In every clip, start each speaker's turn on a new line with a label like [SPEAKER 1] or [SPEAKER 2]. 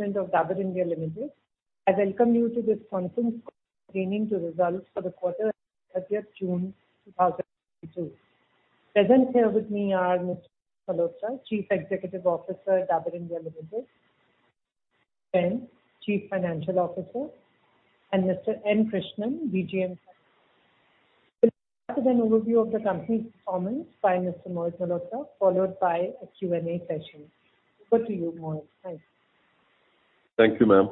[SPEAKER 1] of Dabur India Limited. I welcome you to this conference call pertaining to results for the quarter ended June 31, 2022. Present here with me are Mr. Mohit Malhotra, Chief Executive Officer at Dabur India Limited, Ankush Jain, Chief Financial Officer, and Mr. N. Krishnan, DGM. We'll start with an overview of the company's performance by Mr. Mohit Malhotra, followed by a Q&A session. Over to you, Mohit. Thanks.
[SPEAKER 2] Thank you, ma'am.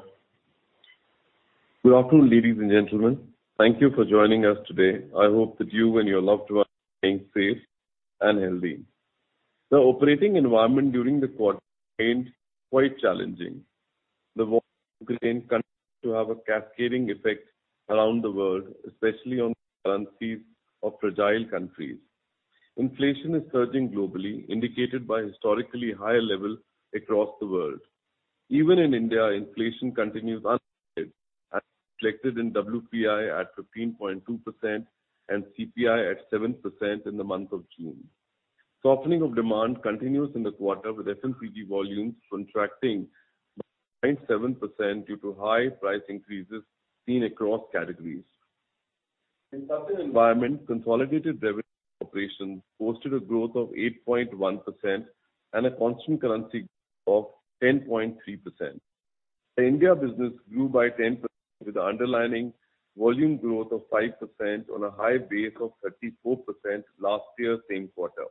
[SPEAKER 2] Good afternoon, ladies and gentlemen. Thank you for joining us today. I hope that you and your loved ones are staying safe and healthy. The operating environment during the quarter remained quite challenging. The war in Ukraine continues to have a cascading effect around the world, especially on currencies of fragile countries. Inflation is surging globally, indicated by historically high levels across the world. Even in India, inflation continues as reflected in WPI at 15.2% and CPI at 7% in the month of June. Softening of demand continues in the quarter, with FMCG volumes contracting by 0.7% due to high price increases seen across categories. In such an environment, consolidated revenue operations posted a growth of 8.1% and a constant currency growth of 10.3%. The India business grew by 10% with underlying volume growth of 5% on a high base of 34% last year, same quarter.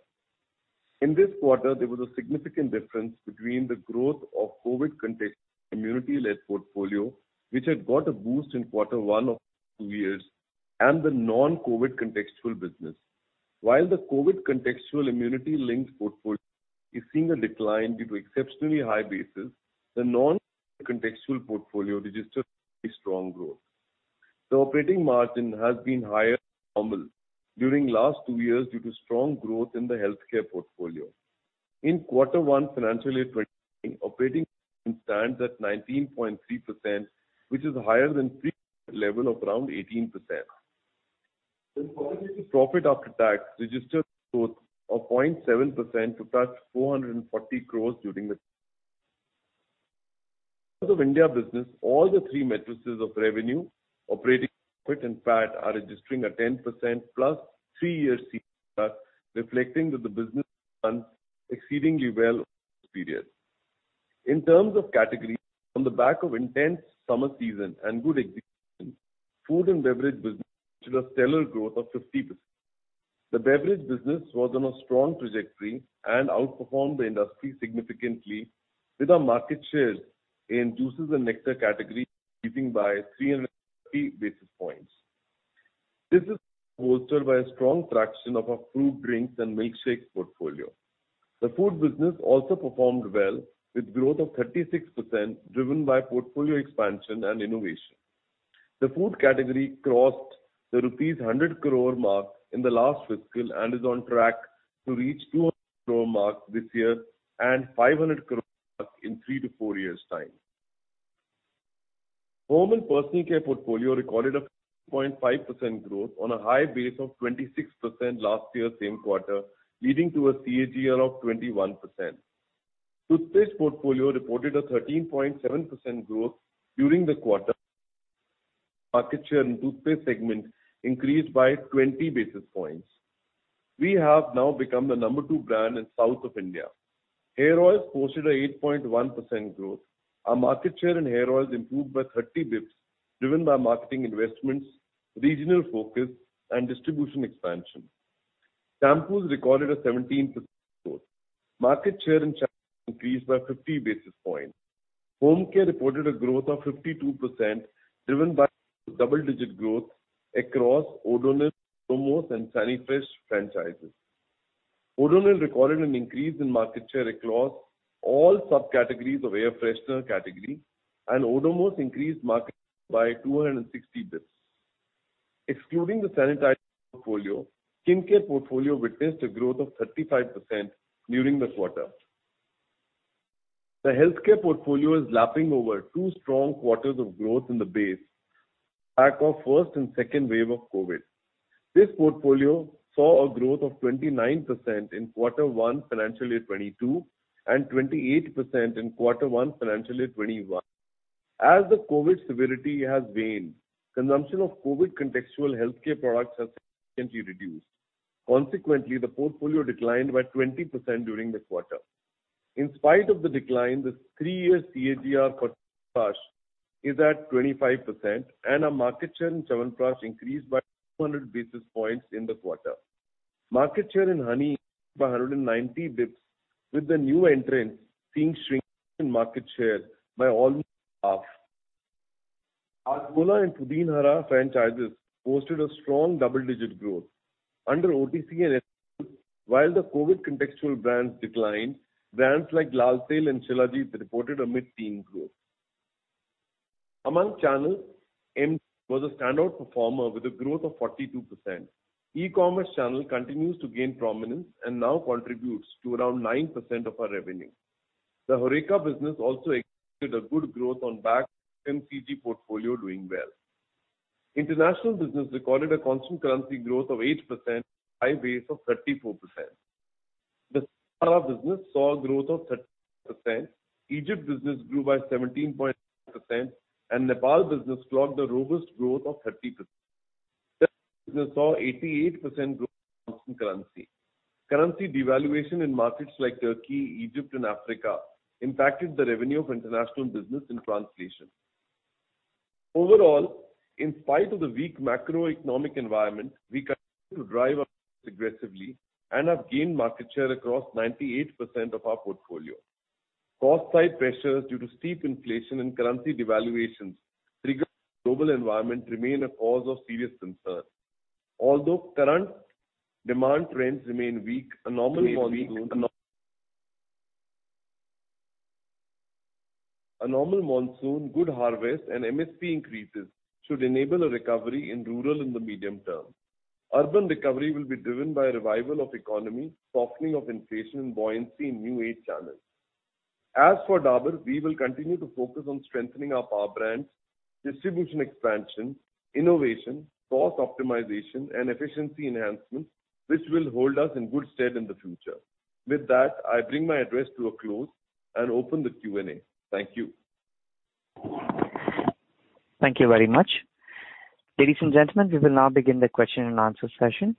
[SPEAKER 2] In this quarter, there was a significant difference between the growth of COVID contextual immunity-led portfolio, which had got a boost in quarter one of last two years, and the non-COVID contextual business. While the COVID contextual immunity-linked portfolio is seeing a decline due to exceptionally high bases, the non-COVID contextual portfolio registered fairly strong growth. The operating margin has been higher than normal during last two years due to strong growth in the healthcare portfolio. In quarter one FY 2023, operating margin stands at 19.3%, which is higher than pre-COVID level of around 18%. The consolidated profit after tax registered growth of 0.7% to touch 440 crores during the. As for India business, all the three metrics of revenue, operating profit and PAT are registering a 10%+ three-year CAGR, reflecting that the business has done exceedingly well over this period. In terms of categories, on the back of intense summer season and good execution, food and beverage business registered a stellar growth of 50%. The beverage business was on a strong trajectory and outperformed the industry significantly, with our market share in juices and nectar category increasing by 330 basis points. This is further bolstered by a strong traction of our fruit drinks and milkshakes portfolio. The food business also performed well, with growth of 36% driven by portfolio expansion and innovation. The food category crossed the rupees 100 crore mark in the last fiscal and is on track to reach 200 crore mark this year and 500 crore mark in three to four years' time. Home and personal care portfolio recorded a 15.5% growth on a high base of 26% last year, same quarter, leading to a CAGR of 21%. Toothpaste portfolio reported a 13.7% growth during the quarter. Market share in toothpaste segment increased by 20 basis points. We have now become the number two brand in South of India. Hair oils posted an 8.1% growth. Our market share in hair oils improved by 30 basis points, driven by marketing investments, regional focus and distribution expansion. Shampoos recorded a 17% growth. Market share in shampoos increased by 50 basis points. Home care reported a growth of 52%, driven by double-digit growth across Odonil, Odomos, and Sani Fresh franchises. Odonil recorded an increase in market share across all subcategories of air freshener category, and Odomos increased market share by 260 basis points. Excluding the sanitizers portfolio, skincare portfolio witnessed a growth of 35% during the quarter. The healthcare portfolio is lapping over two strong quarters of growth in the base back of first and second wave of COVID. This portfolio saw a growth of 29% in quarter one FY 2022 and 28% in quarter one FY 2021. As the COVID severity has waned, consumption of COVID contextual healthcare products has significantly reduced. Consequently, the portfolio declined by 20% during the quarter. In spite of the decline, the three-year CAGR for Chyawanprash is at 25%, and our market share in Chyawanprash increased by 200 basis points in the quarter. Market share in honey increased by 190 basis points, with the new entrants seeing shrinkage in market share by almost half. Hajmola and Pudin Hara franchises posted a strong double-digit growth. Under OTC and while the COVID contextual brands declined, brands like Lal Tail and Shilajit reported a mid-teen growth. Among channels, e-tail was a standout performer with a growth of 42%. E-commerce channel continues to gain prominence and now contributes to around 9% of our revenue. The HORECA business also exhibited a good growth on back of FMCG portfolio doing well. International business recorded a constant currency growth of 8%, high base of 34%. The business saw a growth of 30%. Egypt business grew by 17.5%, and Nepal business clocked a robust growth of 30%. Saw 88% growth in currency. Currency devaluation in markets like Turkey, Egypt, and Africa impacted the revenue of international business in translation. Overall, in spite of the weak macroeconomic environment, we continue to drive our aggressively and have gained market share across 98% of our portfolio. Cost side pressures due to steep inflation and currency devaluations triggered global environment remain a cause of serious concern. Although current demand trends remain weak, a normal monsoon, good harvest and MSP increases should enable a recovery in rural in the medium term. Urban recovery will be driven by revival of economy, softening of inflation, and buoyancy in new age channels. As for Dabur, we will continue to focus on strengthening our power brands, distribution expansion, innovation, cost optimization, and efficiency enhancements, which will hold us in good stead in the future. With that, I bring my address to a close and open the Q&A. Thank you.
[SPEAKER 3] Thank you very much. Ladies and gentlemen, we will now begin the question and answer session.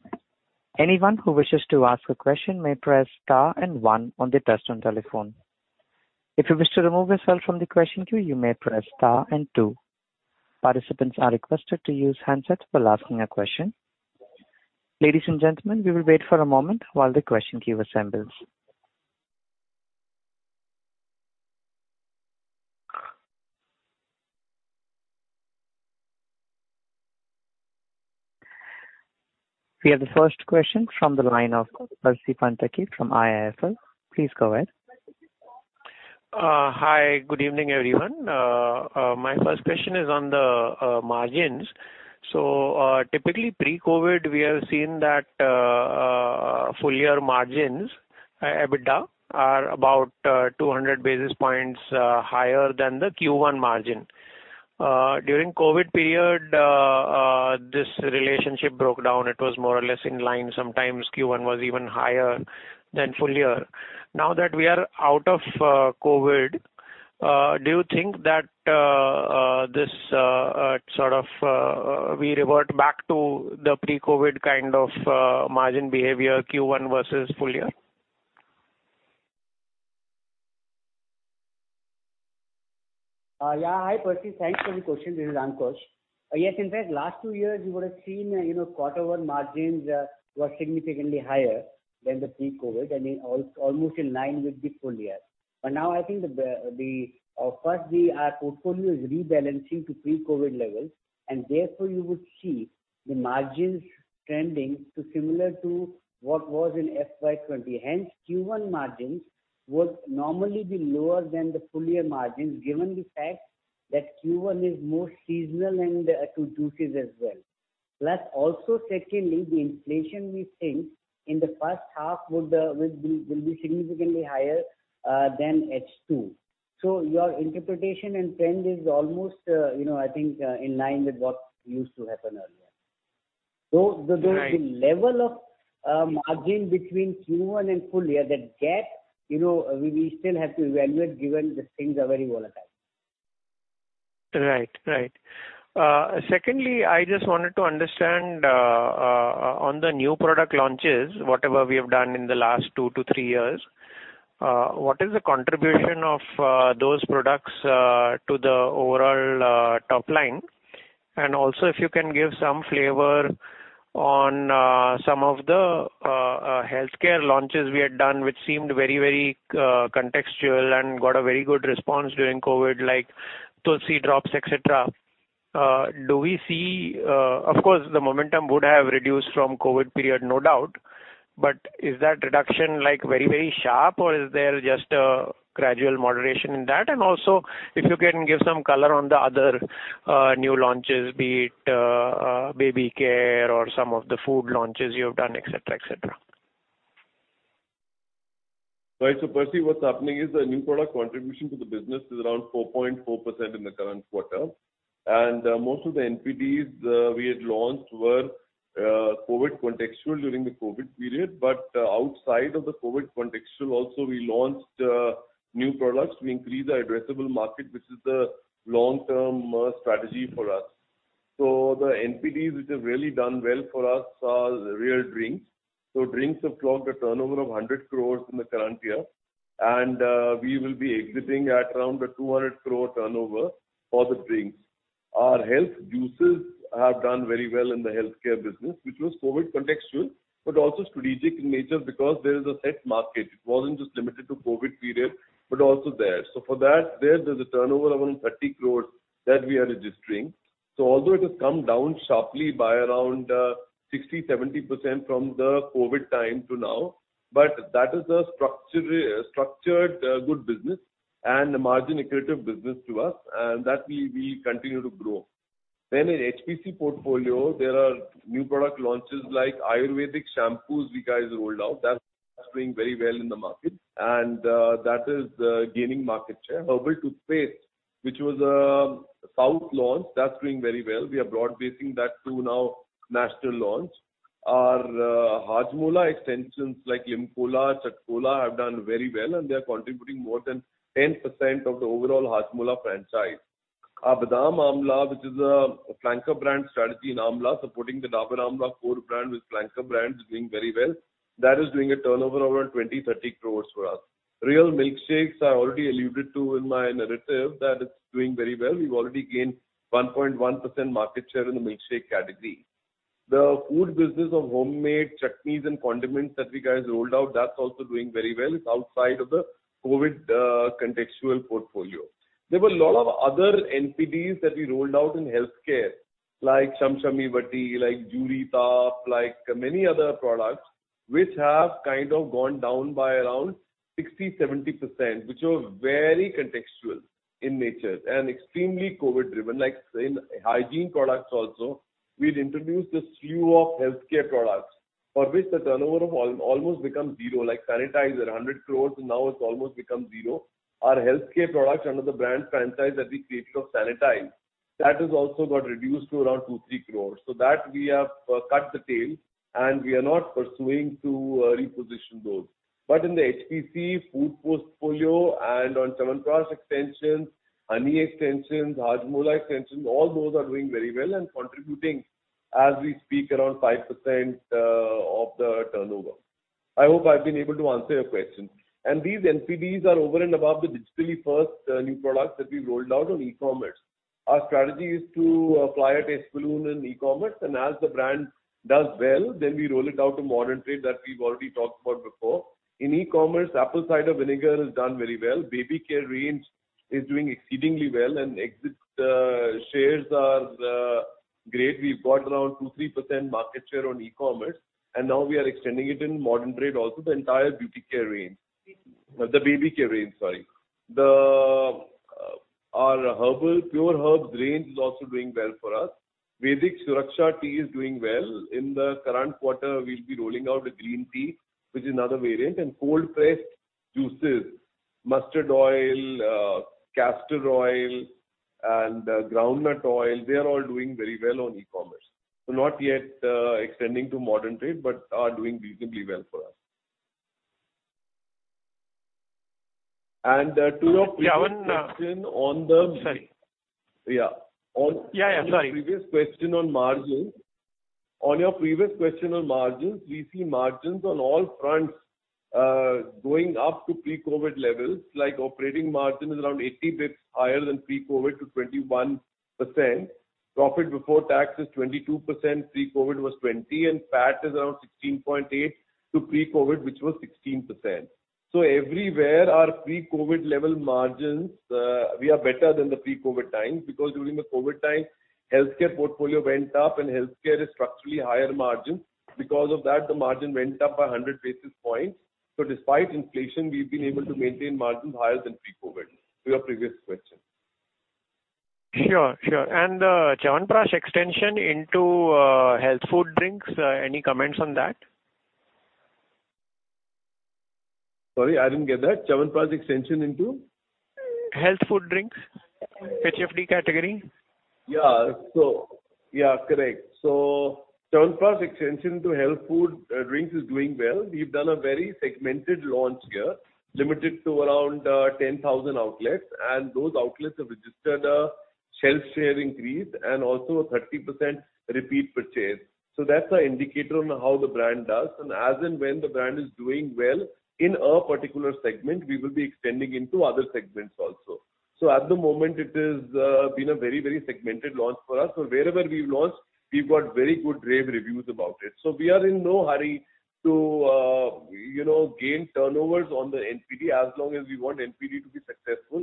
[SPEAKER 3] Anyone who wishes to ask a question may press star and one on the touchtone telephone. If you wish to remove yourself from the question queue, you may press star and two. Participants are requested to use handsets while asking a question. Ladies and gentlemen, we will wait for a moment while the question queue assembles. We have the first question from the line of Percy Panthaki from IIFL. Please go ahead.
[SPEAKER 4] Hi. Good evening, everyone. My first question is on the margins. Typically pre-COVID, we have seen that full year margins, EBITDA, are about 200 basis points higher than the Q1 margin. During COVID period, this relationship broke down. It was more or less in line. Sometimes Q1 was even higher than full year. Now that we are out of COVID, do you think that we sort of revert back to the pre-COVID kind of margin behavior, Q1 versus full year?
[SPEAKER 5] Hi, Percy. Thanks for the question. This is Ankush. Yes, in fact, last two years you would have seen, you know, quarter one margins were significantly higher than the pre-COVID, I mean, almost in line with the full year. Now I think first, our portfolio is rebalancing to pre-COVID levels, and therefore you would see the margins trending to similar to what was in FY 2020. Hence, Q1 margins would normally be lower than the full year margins, given the fact that Q1 is more seasonal and to juices as well. Plus also secondly, the inflation we think in the first half would will be significantly higher than H2. Your interpretation and trend is almost, you know, I think in line with what used to happen earlier.
[SPEAKER 4] Right.
[SPEAKER 5] The level of margin between Q1 and full year, that gap, you know, we still have to evaluate given the things are very volatile.
[SPEAKER 4] Right. Secondly, I just wanted to understand on the new product launches, whatever we have done in the last two to three years, what is the contribution of those products to the overall top line? Also if you can give some flavor on some of the healthcare launches we had done, which seemed very contextual and got a very good response during COVID, like Tulsi Drops, etc. Do we see, of course, the momentum would have reduced from COVID period, no doubt. Is that reduction like very sharp, or is there just a gradual moderation in that? Also if you can give some color on the other new launches, be it baby care or some of the food launches you have done, etc., etc.
[SPEAKER 2] Right. Percy, what's happening is the new product contribution to the business is around 4.4% in the current quarter. Most of the NPDs we had launched were COVID contextual during the COVID period. Outside of the COVID contextual also we launched new products to increase the addressable market, which is the long-term strategy for us. The NPDs which have really done well for us are Réal Drinks. Drinks have clocked a turnover of 100 crore in the current year, and we will be exiting at around the 200 crore turnover for the drinks. Our health juices have done very well in the healthcare business, which was COVID contextual, but also strategic in nature because there is a set market. It wasn't just limited to COVID period, but also there. For that, there's a turnover around 30 crore that we are registering. Although it has come down sharply by around 60%-70% from the COVID time to now, but that is a structured good business and a margin accretive business to us, and that we will continue to grow. In HPC portfolio, there are new product launches like Ayurvedic shampoos we guys rolled out. That's doing very well in the market, and that is gaining market share. Herbal toothpaste, which was a south launch, that's doing very well. We are broad-basing that to now national launch. Our Hajmola extensions like LimCola, ChatCola, have done very well, and they are contributing more than 10% of the overall Hajmola franchise. Our Badam Amla, which is a flanker brand strategy in Amla, supporting the Dabur Amla core brand with flanker brands, is doing very well. That is doing a turnover around 20 crores-30 crores for us. Réal milkshakes, I already alluded to in my narrative, that it's doing very well. We've already gained 1.1% market share in the milkshake category. The food business of Hommade chutneys and condiments that we guys rolled out, that's also doing very well. It's outside of the COVID contextual portfolio. There were a lot of other NPDs that we rolled out in healthcare, like Samshamani Vati, like Juri-Tap, like many other products which have kind of gone down by around 60%-70%, which are very contextual in nature and extremely COVID-driven. Like, say, in hygiene products also, we'd introduced a slew of healthcare products for which the turnover of almost become zero. Like Sanitize, 100 crore, now it's almost become zero. Our healthcare products under the brand franchise that we created of sanitizers, that has also got reduced to around 2 crore-3 crore. That we have cut the tail, and we are not pursuing to reposition those. In the HPC food portfolio and on Chyawanprash extensions, honey extensions, Hajmola extensions, all those are doing very well and contributing as we speak around 5% of the turnover. I hope I've been able to answer your question. These NPDs are over and above the digital-first new products that we've rolled out on e-commerce. Our strategy is to apply a test balloon in e-commerce, and as the brand does well, then we roll it out to modern trade that we've already talked about before. In e-commerce, Apple Cider Vinegar has done very well. Baby care range is doing exceedingly well, and Hajmola sales are great. We've got around 2%-3% market share on e-commerce, and now we are extending it in modern trade also, the entire beauty care range.
[SPEAKER 4] Baby?
[SPEAKER 2] The baby care range, sorry. Our Herbal, Pure Herbs range is also doing well for us. Vedic Suraksha Tea is doing well. In the current quarter, we'll be rolling out a green tea, which is another variant, and cold pressed juices, mustard oil, castor oil and groundnut oil. They are all doing very well on e-commerce. So not yet extending to modern trade, but are doing reasonably well for us. To your previous question on the-
[SPEAKER 4] Yeah. Sorry.
[SPEAKER 2] Yeah.
[SPEAKER 4] Yeah, yeah. Sorry.
[SPEAKER 2] On your previous question on margins, we see margins on all fronts, like operating margin is around 80 basis points higher than pre-COVID to 21%. Profit before tax is 22%, pre-COVID was 20%, and PAT is around 16.8% to pre-COVID, which was 16%. Everywhere our pre-COVID level margins, we are better than the pre-COVID times because during the COVID time, healthcare portfolio went up and healthcare is structurally higher margin. Because of that, the margin went up by 100 basis points. Despite inflation, we've been able to maintain margins higher than pre-COVID, to your previous question.
[SPEAKER 4] Sure, sure. Chyawanprash extension into health food drinks, any comments on that?
[SPEAKER 2] Sorry, I didn't get that. Chyawanprash extension into?
[SPEAKER 4] Health food drinks. HFD category.
[SPEAKER 2] Yeah. Yeah, correct. Chyawanprash extension to health food drinks is doing well. We've done a very segmented launch here, limited to around 10,000 outlets, and those outlets have registered a shelf share increase and also a 30% repeat purchase. That's an indicator on how the brand does. As and when the brand is doing well in a particular segment, we will be extending into other segments also. At the moment it has been a very, very segmented launch for us. Wherever we've launched, we've got very good rave reviews about it. We are in no hurry to, you know, gain turnovers on the NPD as long as we want NPD to be successful.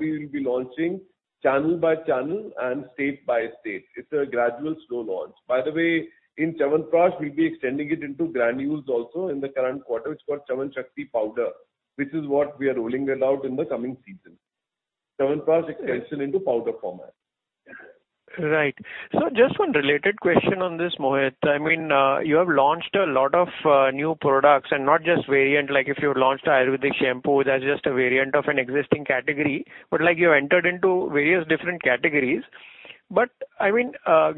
[SPEAKER 2] We will be launching channel by channel and state by state. It's a gradual slow launch. By the way, in Chyawanprash, we'll be extending it into granules also in the current quarter. It's called Chyawanshakti powder, which is what we are rolling it out in the coming season. Chyawanprash extension into powder format.
[SPEAKER 4] Right. Just one related question on this, Mohit. I mean, you have launched a lot of new products and not just variant, like if you've launched Ayurvedic shampoo, that's just a variant of an existing category. Like, you've entered into various different categories. I mean,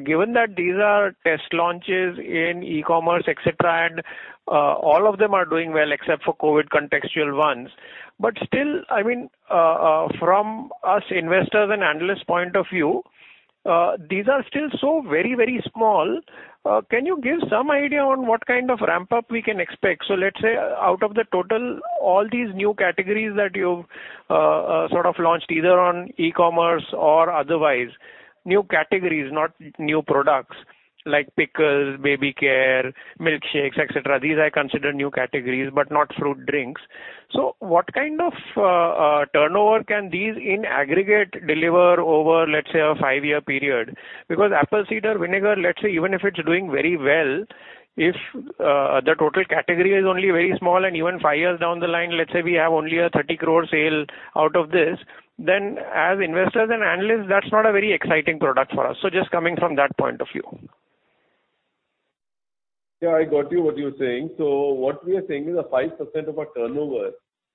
[SPEAKER 4] given that these are test launches in e-commerce, et cetera, and all of them are doing well except for COVID contextual ones. Still, I mean, from us investors' and analysts' point of view, these are still so very, very small. Can you give some idea on what kind of ramp-up we can expect? Let's say out of the total, all these new categories that you've sort of launched either on e-commerce or otherwise, new categories, not new products like pickles, baby care, milkshakes, et cetera. These I consider new categories, but not fruit drinks. What kind of turnover can these in aggregate deliver over, let's say, a five-year period? Because apple cider vinegar, let's say even if it's doing very well, if the total category is only very small and even five years down the line, let's say we have only an 30 crore sale out of this, then as investors and analysts, that's not a very exciting product for us. Just coming from that point of view.
[SPEAKER 2] Yeah, I got what you're saying. What we are saying is that 5% of our turnover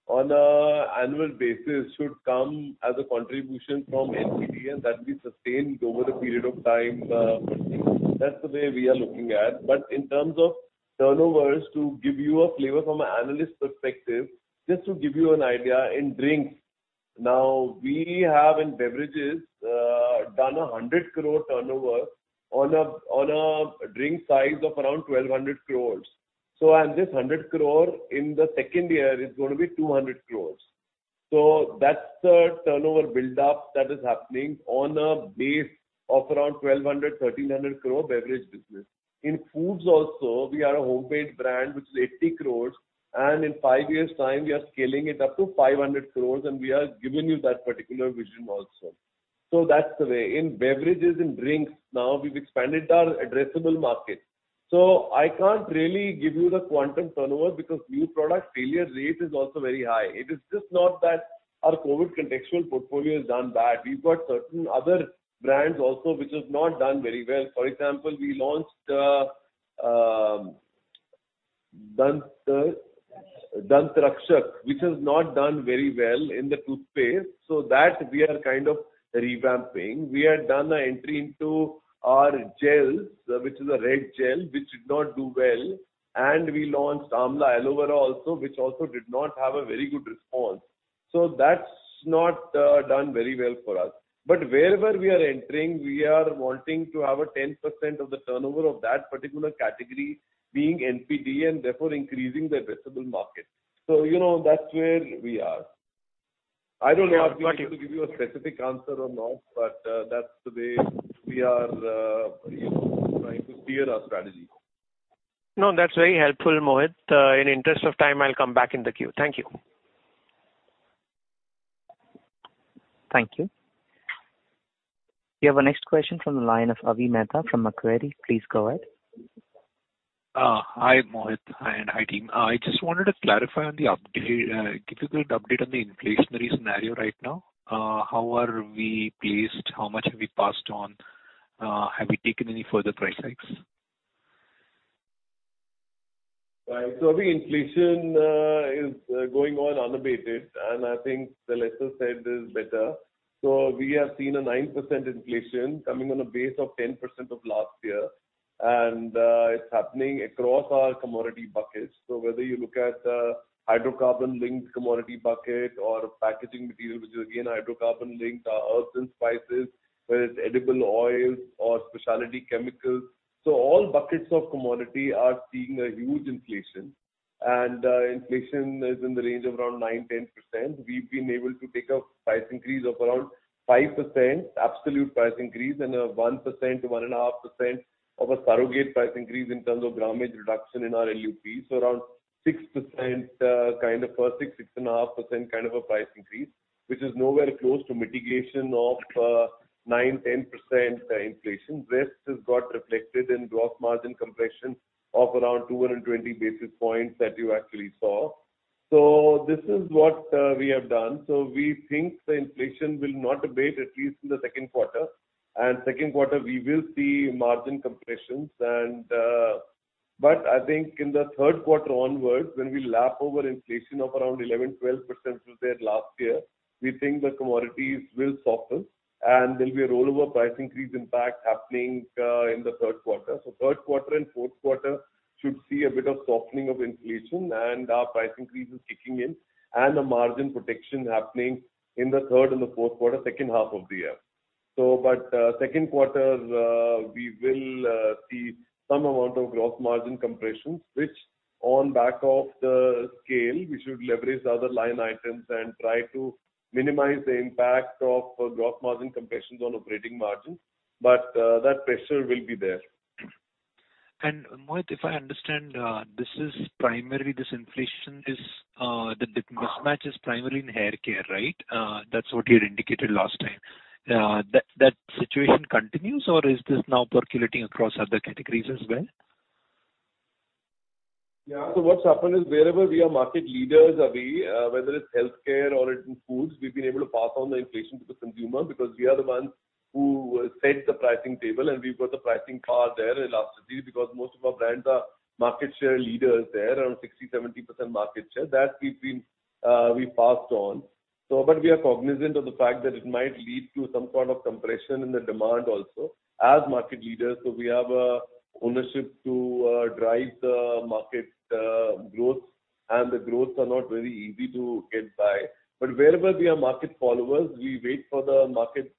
[SPEAKER 2] on an annual basis should come as a contribution from NPD, and that will be sustained over the period of time. That's the way we are looking at it. In terms of turnovers, to give you a flavor from an analyst perspective, just to give you an idea, in drinks, now we have in beverages done 100 crore turnover on a drink size of around 1,200 crore. This 100 crore in the second year is gonna be 200 crore. That's the turnover build-up that is happening on a base of around 1,200 crore-1,300 crore beverage business. In foods also, we are a home-made brand which is 80 crore, and in five years time we are scaling it up to 500 crore, and we are giving you that particular vision also. That's the way. In beverages, in drinks now we've expanded our addressable market. I can't really give you the quantum turnover because new product failure rate is also very high. It is just not that our COVID contextual portfolio has done bad. We've got certain other brands also which have not done very well. For example, we launched. Dant Rakshak. Dant Rakshak, which has not done very well in the toothpaste. That we are kind of revamping. We have done an entry into our gels, which is a Red Gel, which did not do well. We launched Amla Aloe Vera also, which also did not have a very good response. That's not done very well for us. Wherever we are entering, we are wanting to have 10% of the turnover of that particular category being NPD and therefore increasing the addressable market. That's where we are. I don't know-
[SPEAKER 4] Got you.
[SPEAKER 2] If I'm able to give you a specific answer or not, but that's the way we are, you know, trying to steer our strategy.
[SPEAKER 4] No, that's very helpful, Mohit. In interest of time, I'll come back in the queue. Thank you.
[SPEAKER 3] Thank you. We have our next question from the line of Avi Mehta from Macquarie. Please go ahead.
[SPEAKER 6] Hi, Mohit, and hi, team. I just wanted to give you the update on the inflationary scenario right now. How are we placed? How much have we passed on? Have we taken any further price hikes?
[SPEAKER 2] Right. The inflation is going on unabated, and I think the lesser said is better. We have seen a 9% inflation coming on a base of 10% of last year. It's happening across our commodity buckets. Whether you look at hydrocarbon-linked commodity bucket or packaging material, which is again hydrocarbon-linked, our herbs and spices, whether it's edible oils or specialty chemicals. All buckets of commodity are seeing a huge inflation. Inflation is in the range of around 9%-10%. We've been able to take a price increase of around 5%, absolute price increase, and a 1%-1.5% of a surrogate price increase in terms of grammage reduction in our LUP. Around 6%, kind of, or 6.5% kind of a price increase, which is nowhere close to mitigation of 9%-10% inflation. Rest has got reflected in gross margin compression of around 220 basis points that you actually saw. This is what we have done. We think the inflation will not abate, at least in the second quarter. Second quarter we will see margin compressions. I think in the third quarter onwards, when we lap over inflation of around 11%-12% which was there last year, we think the commodities will soften and there'll be a rollover price increase impact happening in the third quarter. Third quarter and fourth quarter should see a bit of softening of inflation and our price increase is kicking in and a margin protection happening in the third and the fourth quarter, second half of the year. Second quarter, we will see some amount of gross margin compression, which on back of the scale, we should leverage other line items and try to minimize the impact of gross margin compressions on operating margin. That pressure will be there.
[SPEAKER 6] Mohit, if I understand, this inflation is the mismatch is primarily in hair care, right? That situation continues, or is this now percolating across other categories as well?
[SPEAKER 2] Yeah. What's happened is wherever we are market leaders, Avi, whether it's healthcare or in foods, we've been able to pass on the inflation to the consumer because we are the ones who set the pricing table and we've got the pricing power there, elasticity, because most of our brands are market share leaders there, around 60%, 70% market share. That we've passed on. We are cognizant of the fact that it might lead to some sort of compression in the demand also as market leaders, so we have a ownership to drive the market growth, and the growth are not very easy to get by. Wherever we are market followers, we wait for the market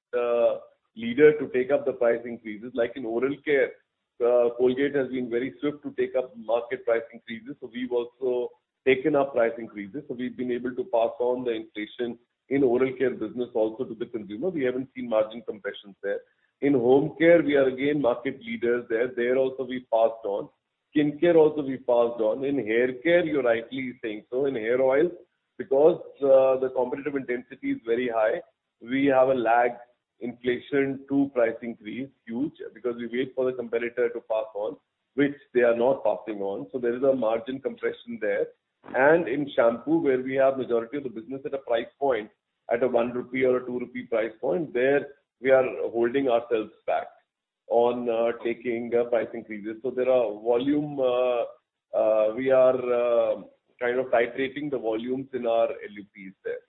[SPEAKER 2] leader to take up the price increases. Like in oral care, Colgate has been very swift to take up market price increases, so we've also taken up price increases. We've been able to pass on the inflation in oral care business also to the consumer. We haven't seen margin compressions there. In home care, we are again market leaders there. There also we passed on. Skin care also we passed on. In hair care, you're rightly saying so. In hair oils, because, the competitive intensity is very high, we have a lag inflation to price increase, huge, because we wait for the competitor to pass on, which they are not passing on. There is a margin compression there. In shampoo, where we have majority of the business at a price point, at a 1 rupee or a 2 rupee price point, there we are holding ourselves back on, taking, price increases. We are kind of titrating the volumes in our LUPs there.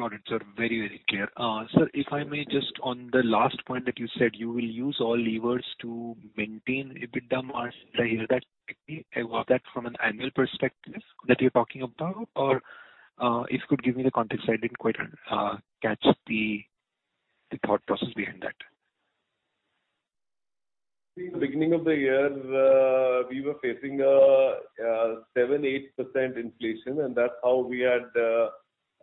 [SPEAKER 6] Got it, sir. Very, very clear. Sir, if I may just on the last point that you said you will use all levers to maintain EBITDA margin. Did I hear that correctly? Is that from an annual perspective that you're talking about? Or, if you could give me the context, I didn't quite catch the thought process behind that.
[SPEAKER 2] The beginning of the year, we were facing a 7%-8% inflation, and that's how we had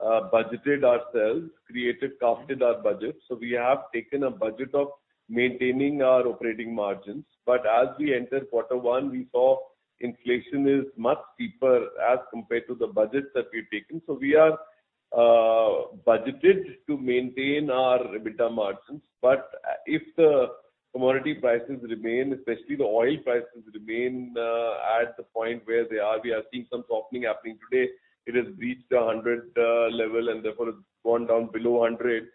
[SPEAKER 2] budgeted ourselves, created, crafted our budget. We have taken a budget of maintaining our operating margins. As we entered quarter one, we saw inflation is much deeper as compared to the budgets that we've taken. We are budgeted to maintain our EBITDA margins. If the commodity prices remain, especially the oil prices remain, at the point where they are, we are seeing some softening happening today. It has reached a 100 level, and therefore it's gone down below 100.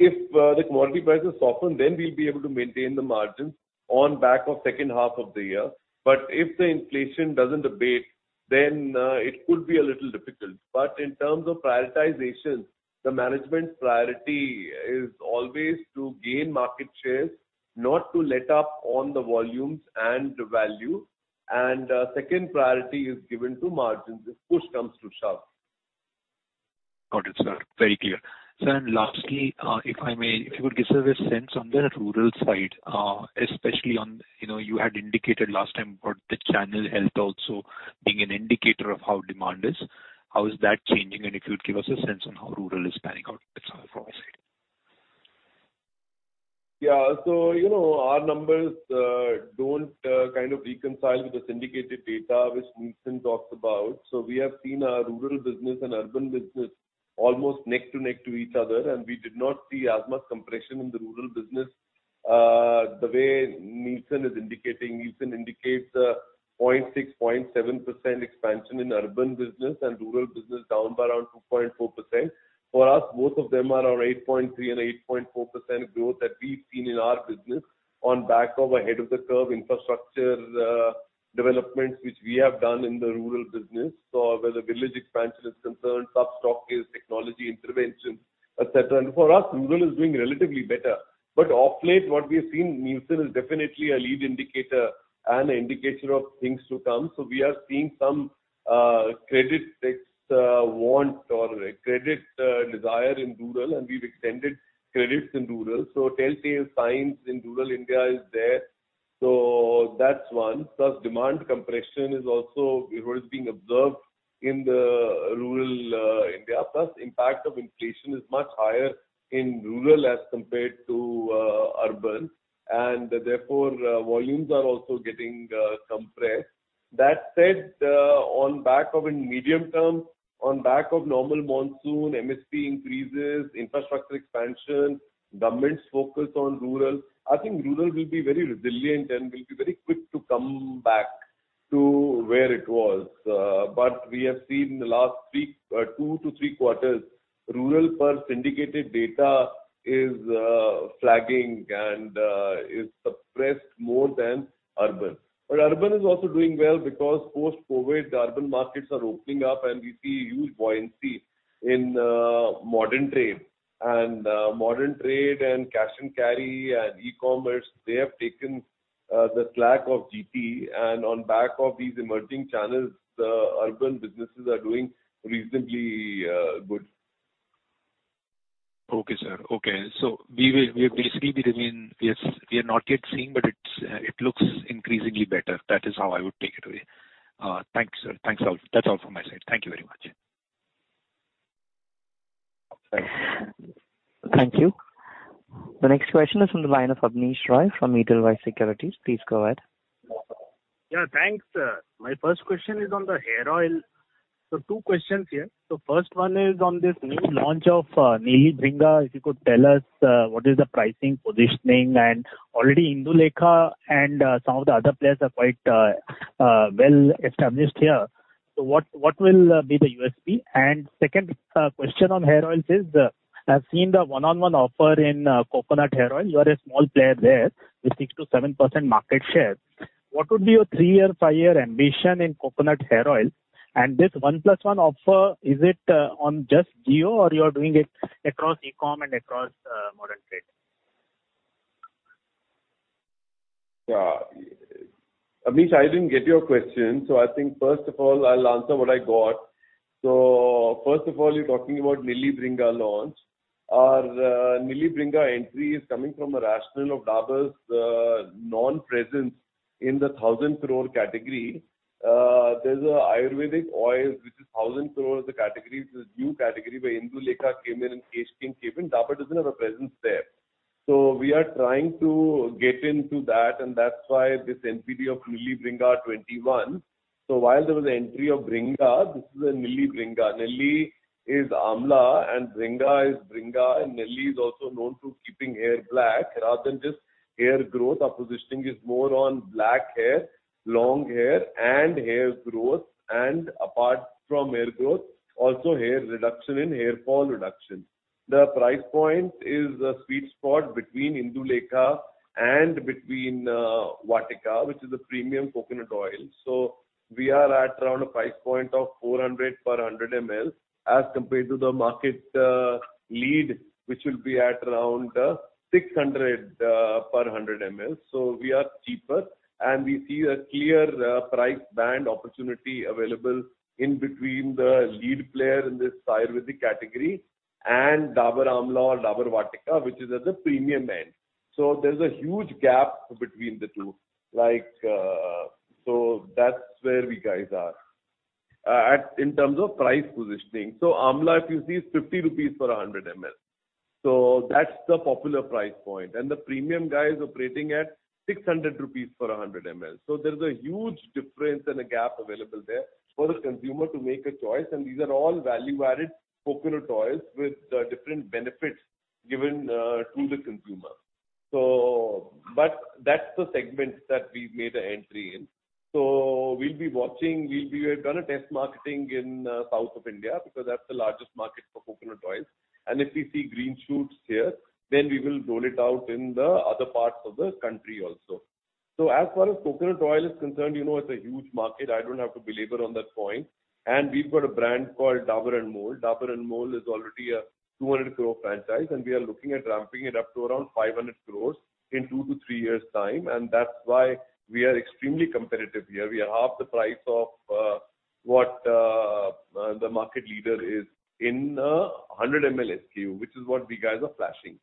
[SPEAKER 2] If the commodity prices soften, then we'll be able to maintain the margins on back of second half of the year. If the inflation doesn't abate, then it could be a little difficult. In terms of prioritization, the management's priority is always to gain market shares, not to let up on the volumes and the value. Second priority is given to margins if push comes to shove.
[SPEAKER 6] Got it, sir. Very clear. Sir, lastly, if I may, if you could give us a sense on the rural side, especially on, you know, you had indicated last time about the channel health also being an indicator of how demand is. How is that changing, and if you could give us a sense on how rural is panning out? That's all from my side.
[SPEAKER 2] You know, our numbers don't kind of reconcile with the syndicated data which Nielsen talks about. We have seen our rural business and urban business almost neck and neck with each other, and we did not see as much compression in the rural business the way Nielsen is indicating. Nielsen indicates a 0.6%-0.7% expansion in urban business and rural business down by around 2.4%. For us, both of them are around 8.3%-8.4% growth that we've seen in our business on the back of ahead-of-the-curve infrastructure developments which we have done in the rural business. Where the village expansion is concerned, stocking is technology intervention, et cetera. For us, rural is doing relatively better. Of late, what we have seen, Nielsen is definitely a lead indicator and an indicator of things to come. We are seeing some credit stress in rural, and we've extended credits in rural. Telltale signs in rural India is there. That's one. Plus demand compression is also, you know, is being observed in the rural India. Plus impact of inflation is much higher in rural as compared to urban, and therefore, volumes are also getting compressed. That said, in medium term, on back of normal monsoon, MSP increases, infrastructure expansion, government's focus on rural, I think rural will be very resilient and will be very quick to come back to where it was. We have seen in the last two to three quarters, rural, per syndicated data, is flagging and is suppressed more than urban. Urban is also doing well because post-COVID, the urban markets are opening up and we see huge buoyancy in modern trade. Modern trade and cash and carry and e-commerce, they have taken the slack of GP. On the back of these emerging channels, the urban businesses are doing reasonably good.
[SPEAKER 6] Okay, sir. Okay. We basically remain. Yes, we are not yet seeing, but it's, it looks increasingly better. That is how I would take it away. Thanks, sir. Thanks a lot. That's all from my side. Thank you very much.
[SPEAKER 2] Thanks.
[SPEAKER 3] Thank you. The next question is from the line of Abneesh Roy from Edelweiss Securities. Please go ahead.
[SPEAKER 7] Yeah, thanks. My first question is on the hair oil. Two questions here. First one is on this new launch of Neelibhringa. If you could tell us what is the pricing positioning? And already Indulekha and some of the other players are quite well established here. What will be the USP? Second question on hair oils is, I've seen the one plus one offer in coconut hair oil. You are a small player there with 6%-7% market share. What would be your three-year, five-year ambition in coconut hair oil? This one plus one offer, is it on just Jio or you are doing it across e-com and across modern trade?
[SPEAKER 2] Yeah. Abneesh, I didn't get your question. I think first of all, I'll answer what I got. First of all, you're talking about Neelibhringa launch. Our Neelibhringa entry is coming from a rationale of Dabur's non-presence in the 1,000 crore category. There's an Ayurvedic oil which is 1,000 crore as a category. It's a new category where Indulekha came in and Kesh King came in. Dabur doesn't have a presence there. We are trying to get into that, and that's why this NPD of Neelibhringa 21. While there was the entry of Bhringraj, this is a Neelibhringa. Nelli is Amla and Bhringraj is Bhringraj, and Nelli is also known for keeping hair black rather than just hair growth. Our positioning is more on black hair, long hair and hair growth, and apart from hair growth, also hair reduction and hair fall reduction. The price point is a sweet spot between Indulekha and Vatika, which is a premium coconut oil. We are at around a price point of 400 per 100 ml as compared to the market leader, which will be at around 600 per 100 ml. We are cheaper, and we see a clear price band opportunity available in between the leader in this Ayurvedic category and Dabur Amla or Dabur Vatika, which is at the premium end. There's a huge gap between the two. That's where we guys are in terms of price positioning. Amla, if you see, is 50 rupees per 100 ml. That's the popular price point. The premium guy is operating at 600 rupees per 100 ml. There's a huge difference and a gap available there for the consumer to make a choice. These are all value-added coconut oils with different benefits given to the consumer. But that's the segment that we've made an entry in. We'll be watching. We're gonna test marketing in South India because that's the largest market for coconut oils. If we see green shoots here, then we will roll it out in the other parts of the country also. As far as coconut oil is concerned, you know, it's a huge market. I don't have to belabor on that point. We've got a brand called Dabur Anmol. Dabur Anmol is already an 200 crore franchise, and we are looking at ramping it up to around 500 crore in two to three years' time. That's why we are extremely competitive here. We are half the price of what the market leader is in a 100 ml SKU, which is what we guys are flashing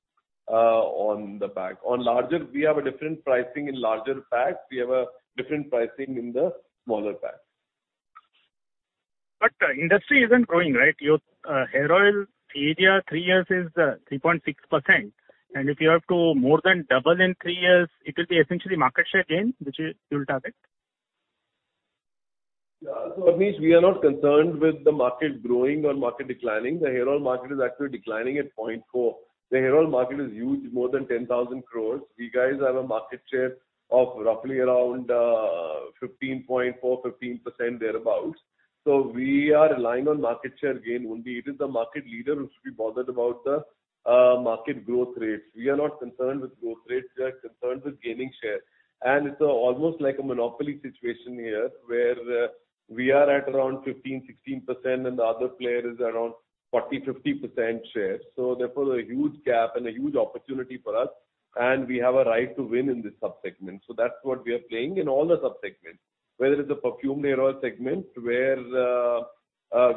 [SPEAKER 2] on the pack. On larger, we have a different pricing in larger packs. We have a different pricing in the smaller packs.
[SPEAKER 7] Industry isn't growing, right? Your hair oil CAGR three years is 3.6%. If you have to more than double in three years, it will be essentially market share gain, which is your target.
[SPEAKER 2] Yeah. Amit, we are not concerned with the market growing or market declining. The hair oil market is actually declining at 0.4%. The hair oil market is huge, more than 10,000 crore. We guys have a market share of roughly around 15.4%, 15% thereabout. We are relying on market share gain only. It is the market leader who should be bothered about the market growth rates. We are not concerned with growth rates. We are concerned with gaining share. It is almost like a monopoly situation here, where we are at around 15%-16% and the other player is around 40%-50% share. Therefore, a huge gap and a huge opportunity for us, and we have a right to win in this sub-segment. That's what we are playing in all the sub-segments, whether it's a perfumed hair oil segment where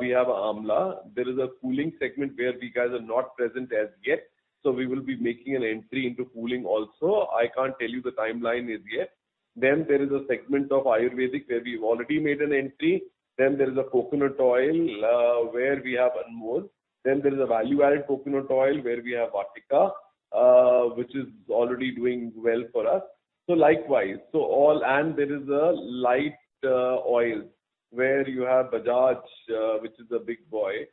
[SPEAKER 2] we have Amla. There is a cooling segment where we guys are not present as yet, so we will be making an entry into cooling also. I can't tell you the timeline as yet. Then there is a segment of Ayurvedic where we've already made an entry. Then there is a coconut oil where we have Anmol. Then there is a value-added coconut oil where we have Vatika, which is already doing well for us. So likewise. And there is a light oil where you have Bajaj, which is a big boy.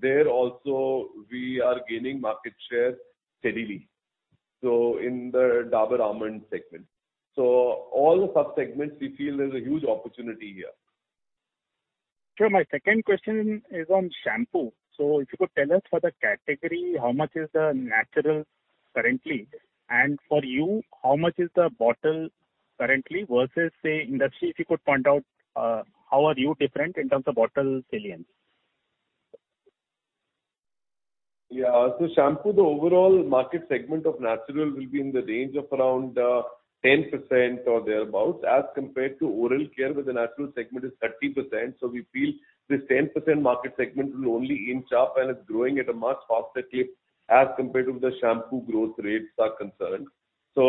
[SPEAKER 2] There also we are gaining market share steadily, so in the Dabur almond segment. All the sub-segments we feel there's a huge opportunity here.
[SPEAKER 7] Sure. My second question is on shampoo. If you could tell us for the category, how much is the natural currently? For you, how much is the bottle currently versus, say, industry, if you could point out, how are you different in terms of bottle saliency?
[SPEAKER 2] Yeah. Shampoo, the overall market segment of natural will be in the range of around 10% or thereabout as compared to oral care where the natural segment is 30%. We feel this 10% market segment will only inch up, and it's growing at a much faster clip as compared to the shampoo growth rates are concerned.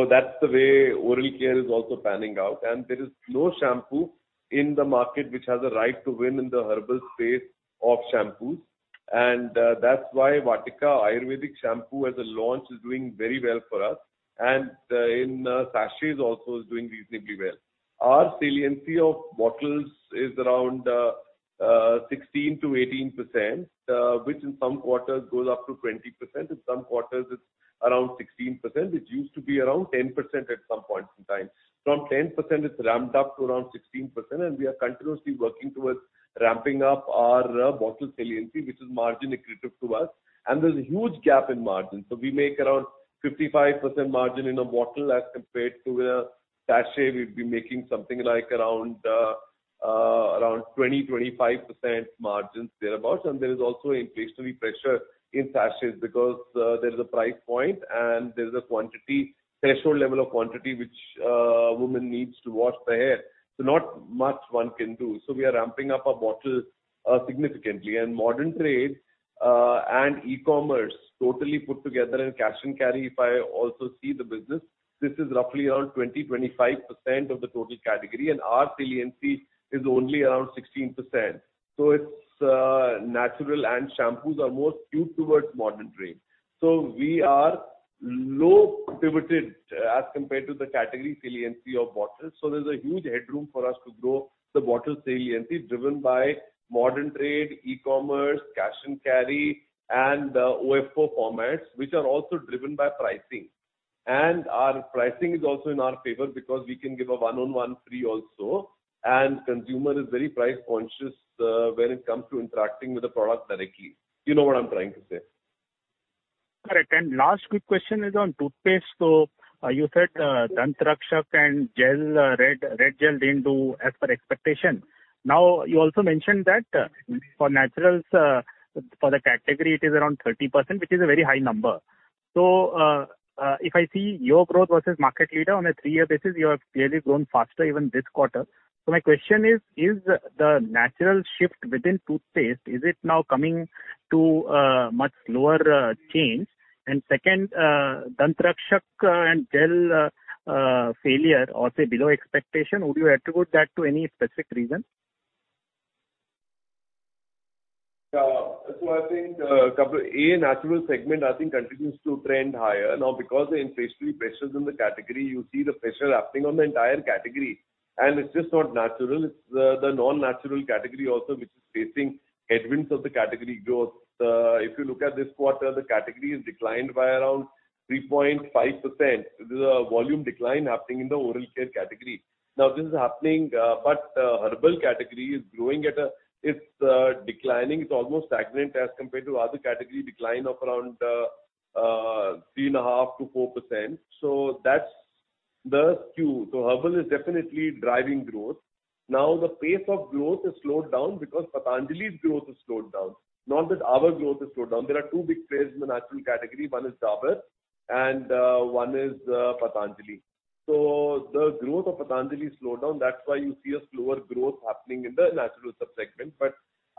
[SPEAKER 2] That's the way oral care is also panning out. There is no shampoo in the market which has a right to win in the herbal space of shampoos. That's why Vatika Ayurvedic shampoo as a launch is doing very well for us and in sachets also is doing reasonably well. Our saliency of bottles is around 16%-18%, which in some quarters goes up to 20%. In some quarters it's around 16%, which used to be around 10% at some point in time. From 10% it's ramped up to around 16%, and we are continuously working towards ramping up our bottle saliency, which is margin accretive to us. There's a huge gap in margin. We make around 55% margin in a bottle as compared to a sachet we'd be making something like around 20%-25% margins thereabout. There is also inflationary pressure in sachets because there is a price point and there is a quantity threshold level of quantity which a woman needs to wash their hair. Not much one can do. We are ramping up our bottles significantly. Modern trade and e-commerce totally put together in cash and carry, if I also see the business, this is roughly around 20%-25% of the total category, and our saliency is only around 16%. Natural and shampoos are more skewed towards modern trade. We are low pivoted as compared to the category saliency of bottles. There's a huge headroom for us to grow the bottle saliency driven by modern trade, e-commerce, cash and carry, and OFO formats, which are also driven by pricing. Our pricing is also in our favor because we can give a one-for-one free also, and consumer is very price-conscious when it comes to interacting with the product directly. You know what I'm trying to say.
[SPEAKER 7] Correct. Last quick question is on toothpaste. You said Dant Rakshak and Red Gel didn't do as per expectation. Now, you also mentioned that for naturals for the category, it is around 30%, which is a very high number. If I see your growth versus market leader on a three-year basis, you have clearly grown faster even this quarter. My question is the natural shift within toothpaste now coming to a much lower change? Second, Dant Rakshak and Red Gel failure or say below expectation, would you attribute that to any specific reason?
[SPEAKER 2] Yeah. I think a natural segment continues to trend higher. Now, because the inflationary pressures in the category, you see the pressure acting on the entire category, and it's just not natural, it's the non-natural category also which is facing headwinds of the category growth. If you look at this quarter, the category has declined by around 3.5%. This is a volume decline happening in the oral care category. Now, this is happening, but herbal category is declining. It's almost stagnant as compared to other category decline of around 3.5%-4%. That's the skew. Herbal is definitely driving growth. Now, the pace of growth has slowed down because Patanjali's growth has slowed down, not that our growth has slowed down. There are two big players in the natural category. One is Dabur and one is Patanjali. The growth of Patanjali slowed down, that's why you see a slower growth happening in the natural sub-segment.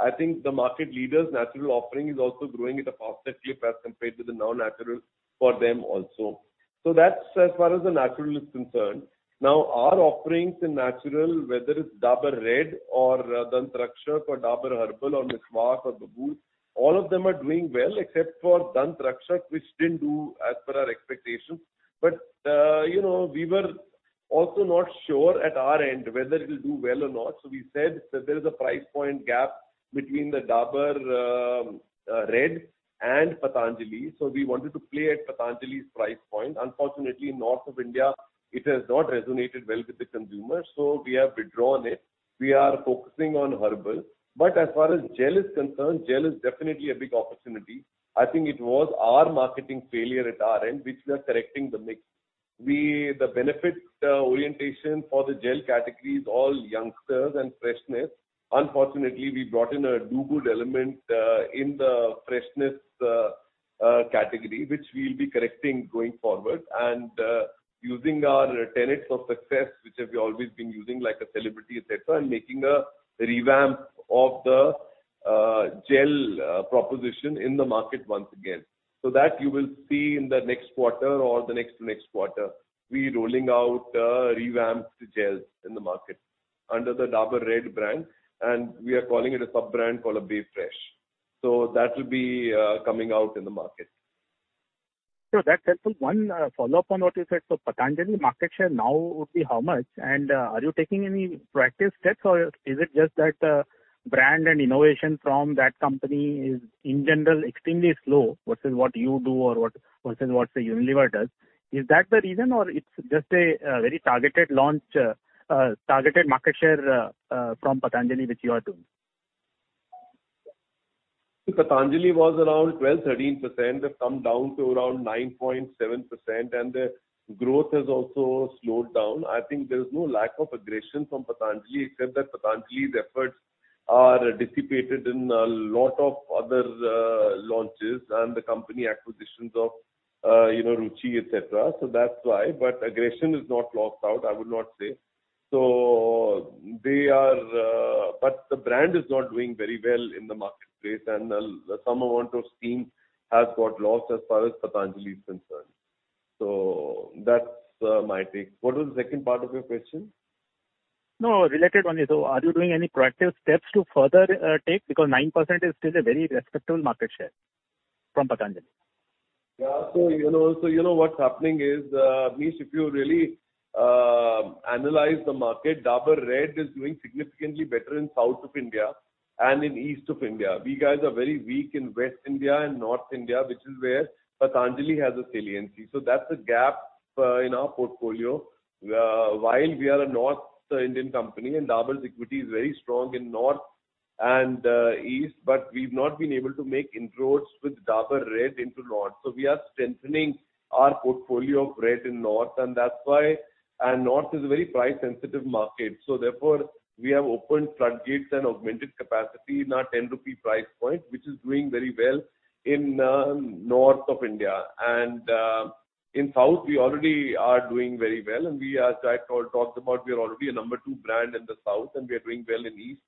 [SPEAKER 2] I think the market leader's natural offering is also growing at a faster clip as compared to the non-natural for them also. That's as far as the natural is concerned. Now, our offerings in natural, whether it's Dabur Red or Dant Rakshak or Dabur Herbal or Miswak or Babool, all of them are doing well except for Dant Rakshak, which didn't do as per our expectations. You know, we were also not sure at our end whether it will do well or not. We said there is a price point gap between the Dabur Red and Patanjali, so we wanted to play at Patanjali's price point. Unfortunately, north of India, it has not resonated well with the consumer, so we have withdrawn it. We are focusing on herbal. As far as gel is concerned, gel is definitely a big opportunity. I think it was our marketing failure at our end, which we are correcting the mix. The benefits orientation for the gel category is all youngsters and freshness. Unfortunately, we brought in a do-good element in the freshness category, which we'll be correcting going forward. Using our tenets of success, which we have always been using, like a celebrity et cetera, and making a revamp of the gel proposition in the market once again. That you will see in the next quarter or the next to next quarter. We're rolling out revamped gels in the market under the Dabur Red brand, and we are calling it a sub-brand called Bae Fresh. That will be coming out in the market.
[SPEAKER 7] That's helpful. One follow-up on what you said. Patanjali market share now would be how much? And are you taking any proactive steps, or is it just that brand and innovation from that company is in general extremely slow versus what you do or versus what, say, Unilever does? Is that the reason, or it's just a very targeted launch, targeted market share from Patanjali which you are doing?
[SPEAKER 2] Patanjali was around 12%-13%. They've come down to around 9.7%, and their growth has also slowed down. I think there's no lack of aggression from Patanjali, except that Patanjali's efforts are dissipated in a lot of other launches and the company acquisitions of, you know, Ruchi, et cetera. That's why. Aggression is not lost out, I would not say. They are. The brand is not doing very well in the marketplace. Some amount of steam has got lost as far as Patanjali is concerned. That's my take. What was the second part of your question?
[SPEAKER 7] No, related only. Are you doing any proactive steps to further take? Because 9% is still a very respectable market share from Patanjali.
[SPEAKER 2] Yeah. You know what's happening is, Abneesh, if you really analyze the market, Dabur Red is doing significantly better in South India and in East India. We guys are very weak in West India and North India, which is where Patanjali has a saliency. That's a gap in our portfolio. While we are a North Indian company, and Dabur's equity is very strong in North India and East India, but we've not been able to make inroads with Dabur Red into North India. We are strengthening our portfolio of Red in North India, and that's why North India is a very price-sensitive market. Therefore, we have opened floodgates and augmented capacity in our 10 rupee price point, which is doing very well in North India. In South India we already are doing very well. We, as I talked about, we are already a number two brand in the South, and we are doing well in East.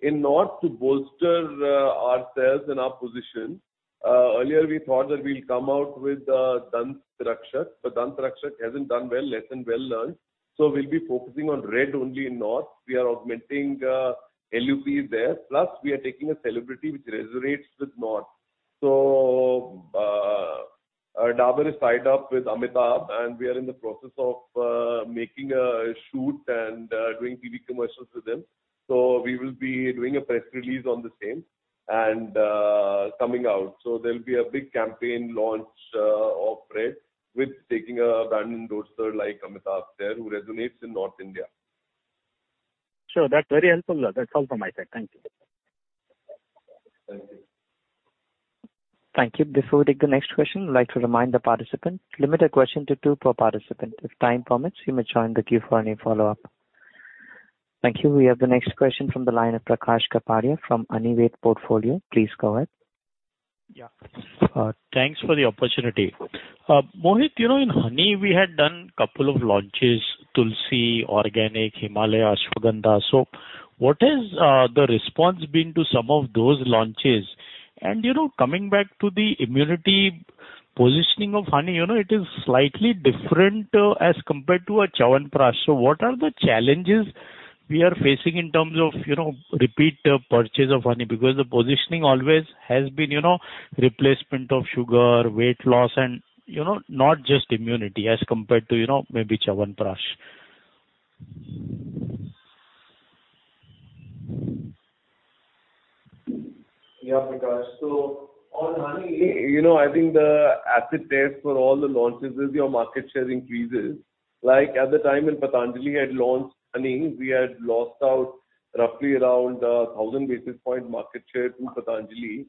[SPEAKER 2] In North, to bolster ourselves and our position, earlier we thought that we'll come out with Dant Rakshak, but Dant Rakshak hasn't done well. Lesson well learned. We'll be focusing on Red only in North. We are augmenting LUP there, plus we are taking a celebrity which resonates with North. Dabur has tied up with Amitabh, and we are in the process of making a shoot and doing TV commercials with him. We will be doing a press release on the same and coming out. There'll be a big campaign launch of Red with taking a brand endorser like Amitabh there, who resonates in North India.
[SPEAKER 7] Sure. That's very helpful. That's all from my side. Thank you.
[SPEAKER 2] Thank you.
[SPEAKER 3] Thank you. Before we take the next question, I'd like to remind the participant, limit a question to two per participant. If time permits, you may join the queue for any follow-up. Thank you. We have the next question from the line of Prakash Kapadia from Anived Portfolio. Please go ahead.
[SPEAKER 8] Yeah. Thanks for the opportunity. Mohit, you know, in honey we had done couple of launches, Tulsi, Organic, Himalaya, Ashwagandha. What has the response been to some of those launches? You know, coming back to the immunity positioning of honey, you know, it is slightly different, as compared to a Chyawanprash. What are the challenges we are facing in terms of, you know, repeat purchase of honey? Because the positioning always has been, you know, replacement of sugar, weight loss, and, you know, not just immunity as compared to, you know, maybe Chyawanprash.
[SPEAKER 2] Yeah, Prakash. On honey, you know, I think the acid test for all the launches is your market share increases. Like, at the time when Patanjali had launched Honey, we had lost out roughly around 1,000 basis points market share to Patanjali.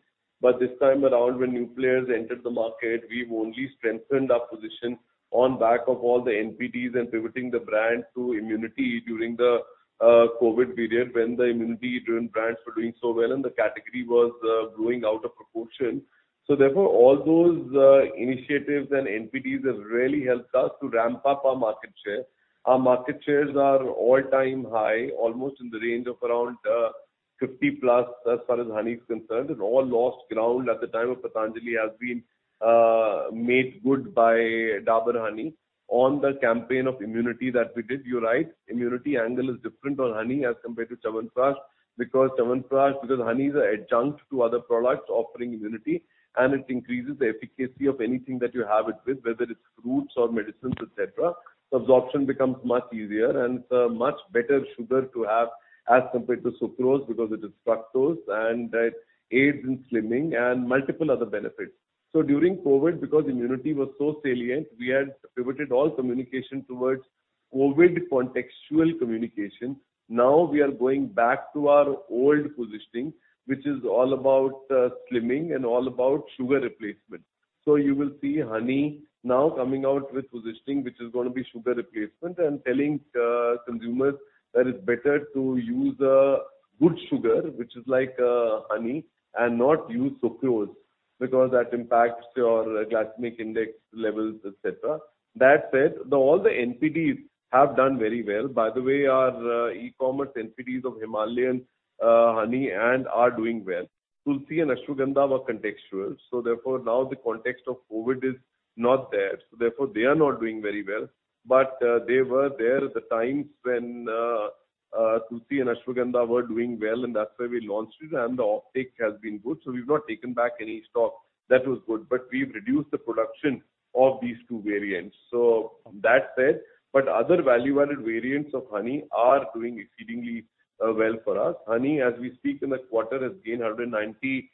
[SPEAKER 2] This time around, when new players entered the market, we've only strengthened our position on back of all the NPDs and pivoting the brand to immunity during the COVID period, when the immunity-driven brands were doing so well and the category was growing out of proportion. Therefore, all those initiatives and NPDs have really helped us to ramp up our market share. Our market shares are all-time high, almost in the range of around 50%+, as far as honey is concerned. All lost ground at the time of Patanjali has been made good by Dabur Honey on the campaign of immunity that we did. You're right, immunity angle is different on honey as compared to Chyawanprash. Because honey is an adjunct to other products offering immunity, and it increases the efficacy of anything that you have it with, whether it's fruits or medicines, et cetera. Absorption becomes much easier, and it's a much better sugar to have as compared to sucrose, because it is fructose, and it aids in slimming and multiple other benefits. During COVID, because immunity was so salient, we had pivoted all communication towards COVID contextual communication. Now we are going back to our old positioning, which is all about slimming and all about sugar replacement. You will see honey now coming out with positioning, which is gonna be sugar replacement and telling consumers that it's better to use good sugar, which is like honey, and not use sucrose, because that impacts your glycemic index levels, et cetera. That said, all the NPDs have done very well. By the way, our e-commerce NPDs of Himalayan honey and are doing well. Tulsi and Ashwagandha were contextual, so therefore now the context of COVID is not there, so therefore they are not doing very well. They were there at the times when Tulsi and Ashwagandha were doing well, and that's why we launched it, and the offtake has been good. We've not taken back any stock. That was good. We've reduced the production of these two variants. That said, other value-added variants of honey are doing exceedingly well for us. Honey, as we speak in the quarter, has gained 190 basis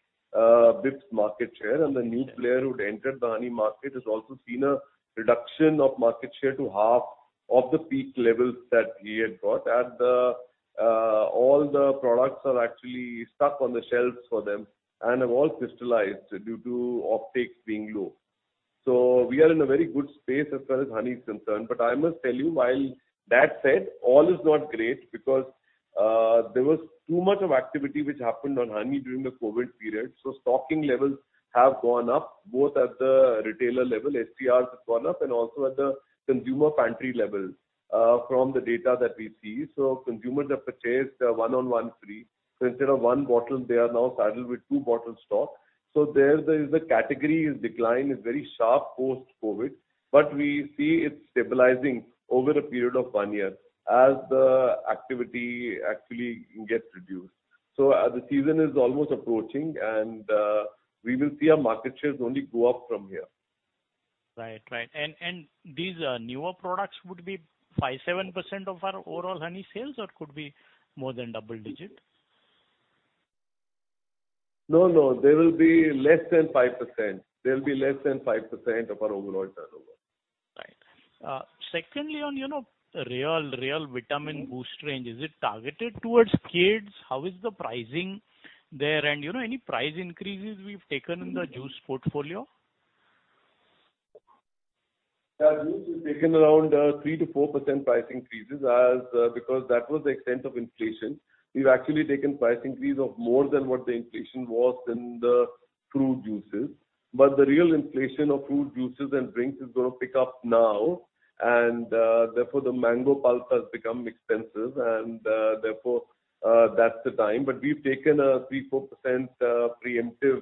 [SPEAKER 2] points market share. The new player who'd entered the honey market has also seen a reduction of market share to half of the peak levels that he had got. All the products are actually stuck on the shelves for them and have all crystallized due to offtakes being low. We are in a very good space as far as honey is concerned. I must tell you, while that said, all is not great because there was too much of activity which happened on honey during the COVID period. Stocking levels have gone up, both at the retailer level, SDRs have gone up, and also at the consumer pantry level, from the data that we see. Consumers have purchased buy one get one free. Instead of one bottle, they are now saddled with two-bottle stock. There is a category decline that is very sharp post-COVID, but we see it stabilizing over a period of one year as the activity actually gets reduced. The season is almost approaching and we will see our market shares only go up from here.
[SPEAKER 8] Right. These newer products would be 5%-7% of our overall honey sales or could be more than double-digit?
[SPEAKER 2] No, no, they will be less than 5%. They'll be less than 5% of our overall turnover.
[SPEAKER 8] Right. Secondly, on, you know, Réal Vitamin Boost range, is it targeted towards kids? How is the pricing there? You know, any price increases we've taken in the juice portfolio?
[SPEAKER 2] Yeah. Juice, we've taken around 3%-4% price increases because that was the extent of inflation. We've actually taken price increase of more than what the inflation was in the fruit juices. The real inflation of food, juices, and drinks is gonna pick up now. Therefore, the mango pulp has become expensive, and therefore, that's the time. We've taken a 3%-4% preemptive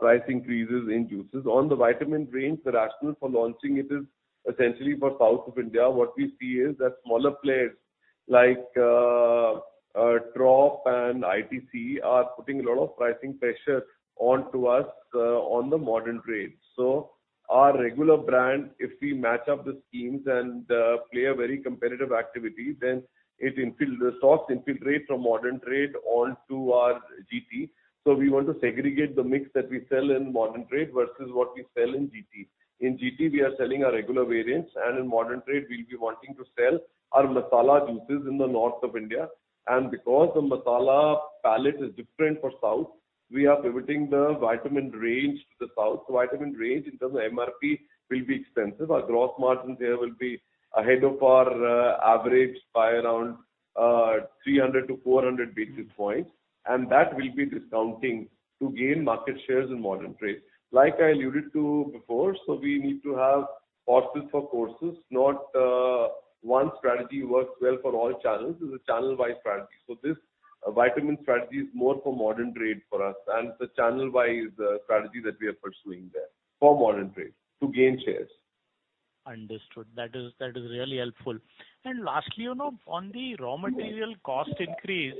[SPEAKER 2] price increases in juices. On the vitamin range, the rationale for launching it is essentially for South India. What we see is that smaller players like Tropicana and ITC are putting a lot of pricing pressure onto us on the modern trade. Our regular brand, if we match up the schemes and play a very competitive activity, then it infiltrates from modern trade onto our GT. We want to segregate the mix that we sell in modern trade versus what we sell in GT. In GT, we are selling our regular variants, and in modern trade, we'll be wanting to sell our masala juices in the north of India. Because the masala palette is different for south, we are pivoting the vitamin range to the south. The vitamin range in terms of MRP will be expensive. Our gross margins there will be ahead of our average by around 300-400 basis points, and that will be discounting to gain market shares in modern trade. Like I alluded to before, so we need to have horses for courses, not, one strategy works well for all channels. This is a channel-wide strategy. This vitamin strategy is more for modern trade for us, and it's a channel-wide, strategy that we are pursuing there for modern trade to gain shares.
[SPEAKER 8] Understood. That is really helpful. Lastly, you know, on the raw material cost increase,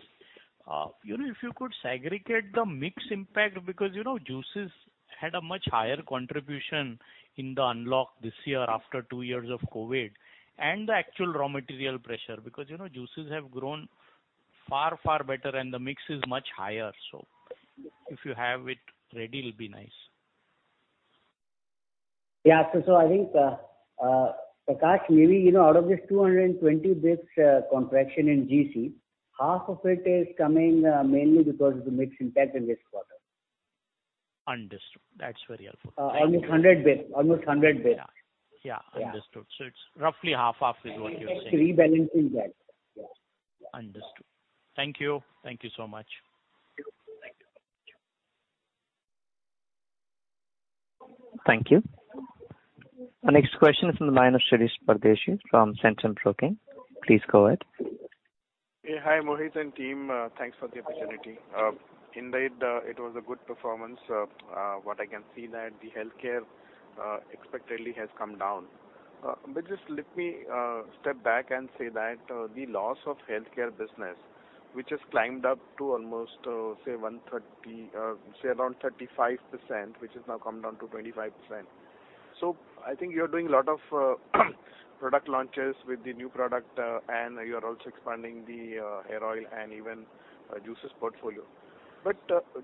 [SPEAKER 8] you know, if you could segregate the mix impact because, you know, juices had a much higher contribution in the unlock this year after two years of COVID and the actual raw material pressure, because, you know, juices have grown far, far better, and the mix is much higher. If you have it ready, it'll be nice.
[SPEAKER 5] I think, Prakash, maybe, you know, out of this 220 basis points contraction in GC, half of it is coming mainly because of the mix impact in this quarter.
[SPEAKER 8] Understood. That's very helpful.
[SPEAKER 5] Almost 100 basis.
[SPEAKER 8] Yeah. Understood.
[SPEAKER 5] Yeah.
[SPEAKER 8] It's roughly half is what you're saying.
[SPEAKER 5] It's rebalancing that. Yeah.
[SPEAKER 8] Understood. Thank you. Thank you so much.
[SPEAKER 5] Thank you.
[SPEAKER 3] Thank you. Our next question is from the line of Shirish Pardeshi from Centrum Broking. Please go ahead.
[SPEAKER 9] Yeah. Hi, Mohit and team. Thanks for the opportunity. Indeed, it was a good performance. What I can see that the healthcare expectedly has come down. Just let me step back and say that the loss of healthcare business, which has climbed up to almost, say around 35%, which has now come down to 25%. I think you're doing a lot of product launches with the new product, and you're also expanding the hair oil and even juices portfolio.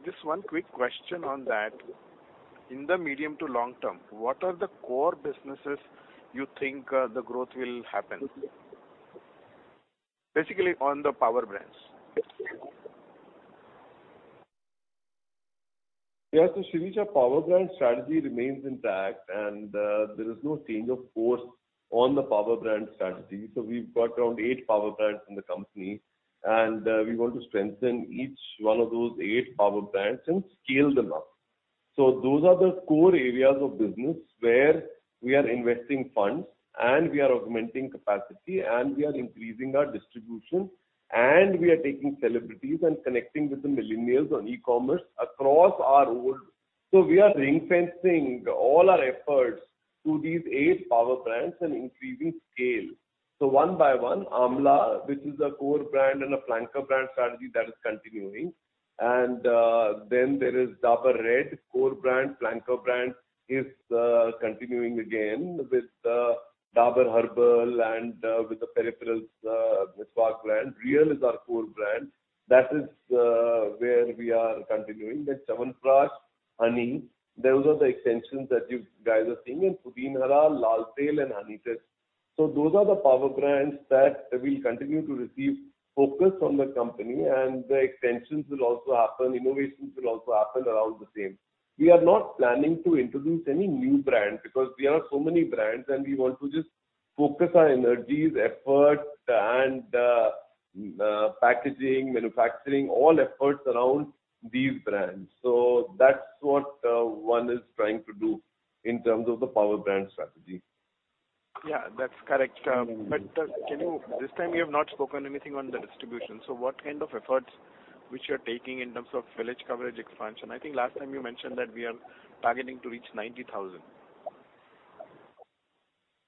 [SPEAKER 9] Just one quick question on that. In the medium to long term, what are the core businesses you think the growth will happen? Basically on the power brands.
[SPEAKER 2] Yeah. Shirish, power brand strategy remains intact, and there is no change of course on the power brand strategy. We've got around eight power brands in the company, and we want to strengthen each one of those eight power brands and scale them up. Those are the core areas of business where we are investing funds, and we are augmenting capacity, and we are increasing our distribution, and we are taking celebrities and connecting with the millennials on e-commerce across our world. We are ring-fencing all our efforts to these eight power brands and increasing scale. One by one, Amla, which is a core brand and a flanker brand strategy that is continuing. Then there is Dabur Red core brand. Flanker brand is continuing again with Dabur Herbal and with the peripherals, Miswak brand. Réal is our core brand. That is where we are continuing. Chyawanprash, Honey, those are the extensions that you guys are seeing. Pudin Hara, Lal Tail, and Honitus. Those are the power brands that will continue to receive focus from the company, and the extensions will also happen, innovations will also happen around the same. We are not planning to introduce any new brand because we have so many brands, and we want to just focus our energies, effort, and packaging, manufacturing, all efforts around these brands. That's what one is trying to do in terms of the power brand strategy.
[SPEAKER 9] Yeah, that's correct. This time you have not spoken anything on the distribution, so what kind of efforts which you're taking in terms of village coverage expansion? I think last time you mentioned that we are targeting to reach 90,000.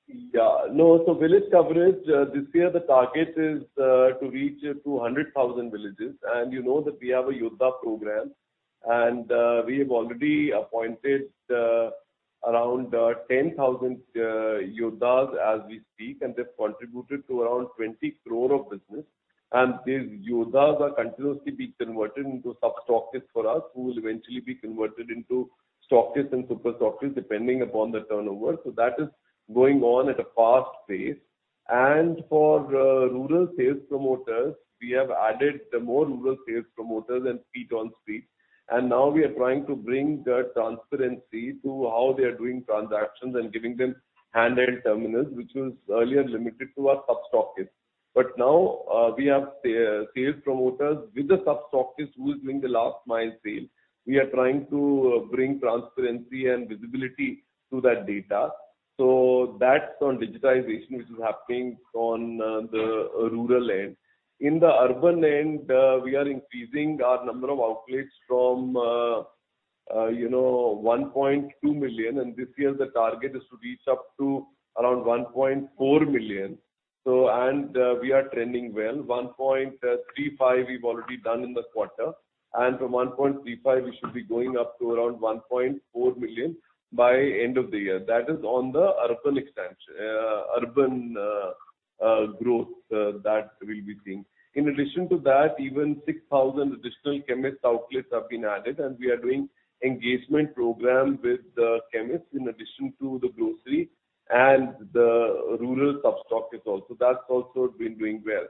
[SPEAKER 2] Yeah. No. Village coverage this year the target is to reach to 100,000 villages. You know that we have a Yoddha program, and we have already appointed around 10,000 Yoddhas as we speak, and they've contributed to around 20 crore of business. These Yoddhas are continuously being converted into sub-stockists for us, who will eventually be converted into stockists and super stockists depending upon the turnover. That is going on at a fast pace. For rural sales promoters, we have added more rural sales promoters and feet on street, and now we are trying to bring the transparency to how they are doing transactions and giving them handheld terminals, which was earlier limited to our sub-stockists. Now we have sales promoters with the sub-stockists who is doing the last mile sale. We are trying to bring transparency and visibility to that data. That's on digitization, which is happening on the rural end. In the urban end, we are increasing our number of outlets from, you know, 1.2 million, and this year the target is to reach up to around 1.4 million. We are trending well. 1.35 million we've already done in the quarter, and from 1.35 million we should be going up to around 1.4 million by end of the year. That is on the urban growth that we'll be seeing. In addition to that, even 6,000 additional chemist outlets have been added, and we are doing engagement program with the chemists in addition to the grocery and the rural sub-stockists also. That's also been doing well.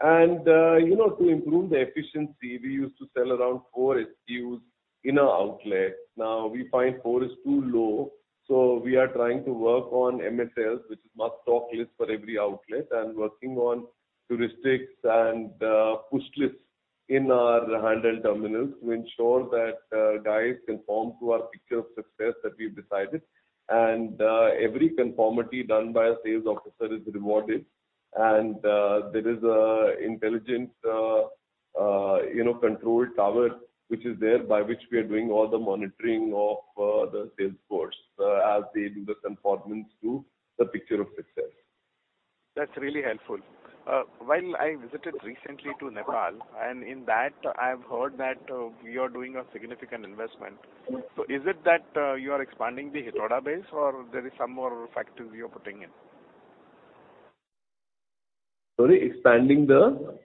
[SPEAKER 2] To improve the efficiency, we used to sell around four SKUs in our outlets. Now we find four is too low, so we are trying to work on MSLs, which is must-stock list for every outlet, and working on heuristics and push lists in our handheld terminals to ensure that guys conform to our picture of success that we've decided. Every conformity done by a sales officer is rewarded. There is an intelligent control tower which is there by which we are doing all the monitoring of the sales force as they do the conformance to the picture of success.
[SPEAKER 9] That's really helpful. When I visited recently to Nepal, and in that I have heard that we are doing a significant investment. Is it that you are expanding the Hetauda base, or there is some more factories you're putting in?
[SPEAKER 2] Sorry, expanding the?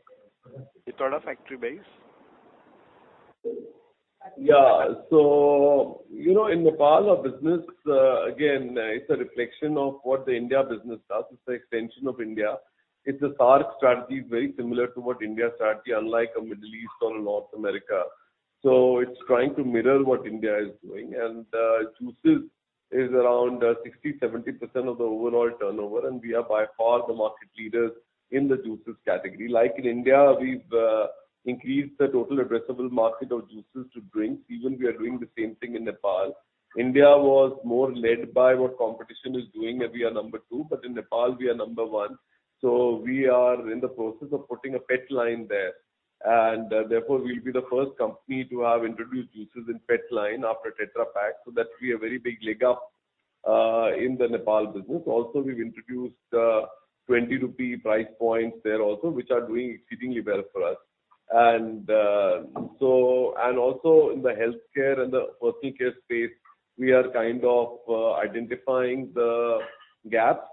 [SPEAKER 9] Hetauda factory base.
[SPEAKER 2] You know, in Nepal our business, it's a reflection of what the India business does. It's an extension of India. It's a SAARC strategy. It's very similar to what India strategy, unlike the Middle East or North America. It's trying to mirror what India is doing. Juices is around 60%-70% of the overall turnover, and we are by far the market leaders in the juices category. Like in India, we've increased the total addressable market of juices to drinks. Even we are doing the same thing in Nepal. India was more led by what competition is doing, and we are number two, but in Nepal we are number one. We are in the process of putting a PET line there. Therefore we'll be the first company to have introduced juices in PET line after Tetra Pak, so that'll be a very big leg up in the Nepal business. Also, we've introduced 20 rupee price points there also, which are doing exceedingly well for us. In the healthcare and the personal care space, we are kind of identifying the gaps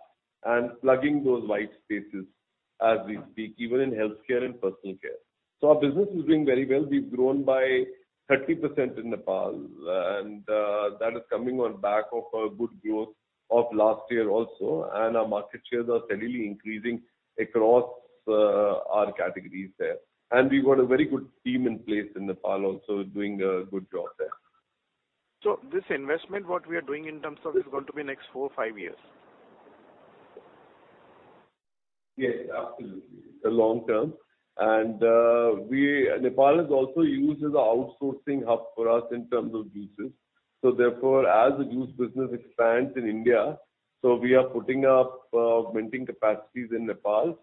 [SPEAKER 2] and plugging those white spaces as we speak, even in healthcare and personal care. Our business is doing very well. We've grown by 30% in Nepal, and that is coming on back of a good growth of last year also, and our market shares are steadily increasing across our categories there. We've got a very good team in place in Nepal also doing a good job there.
[SPEAKER 9] This investment, what we are doing in terms of, is going to be next four to five years?
[SPEAKER 2] Yes, absolutely. In the long term. Nepal is also used as an outsourcing hub for us in terms of juices. Therefore, as the juice business expands in India, we are putting up manufacturing capacities in Nepal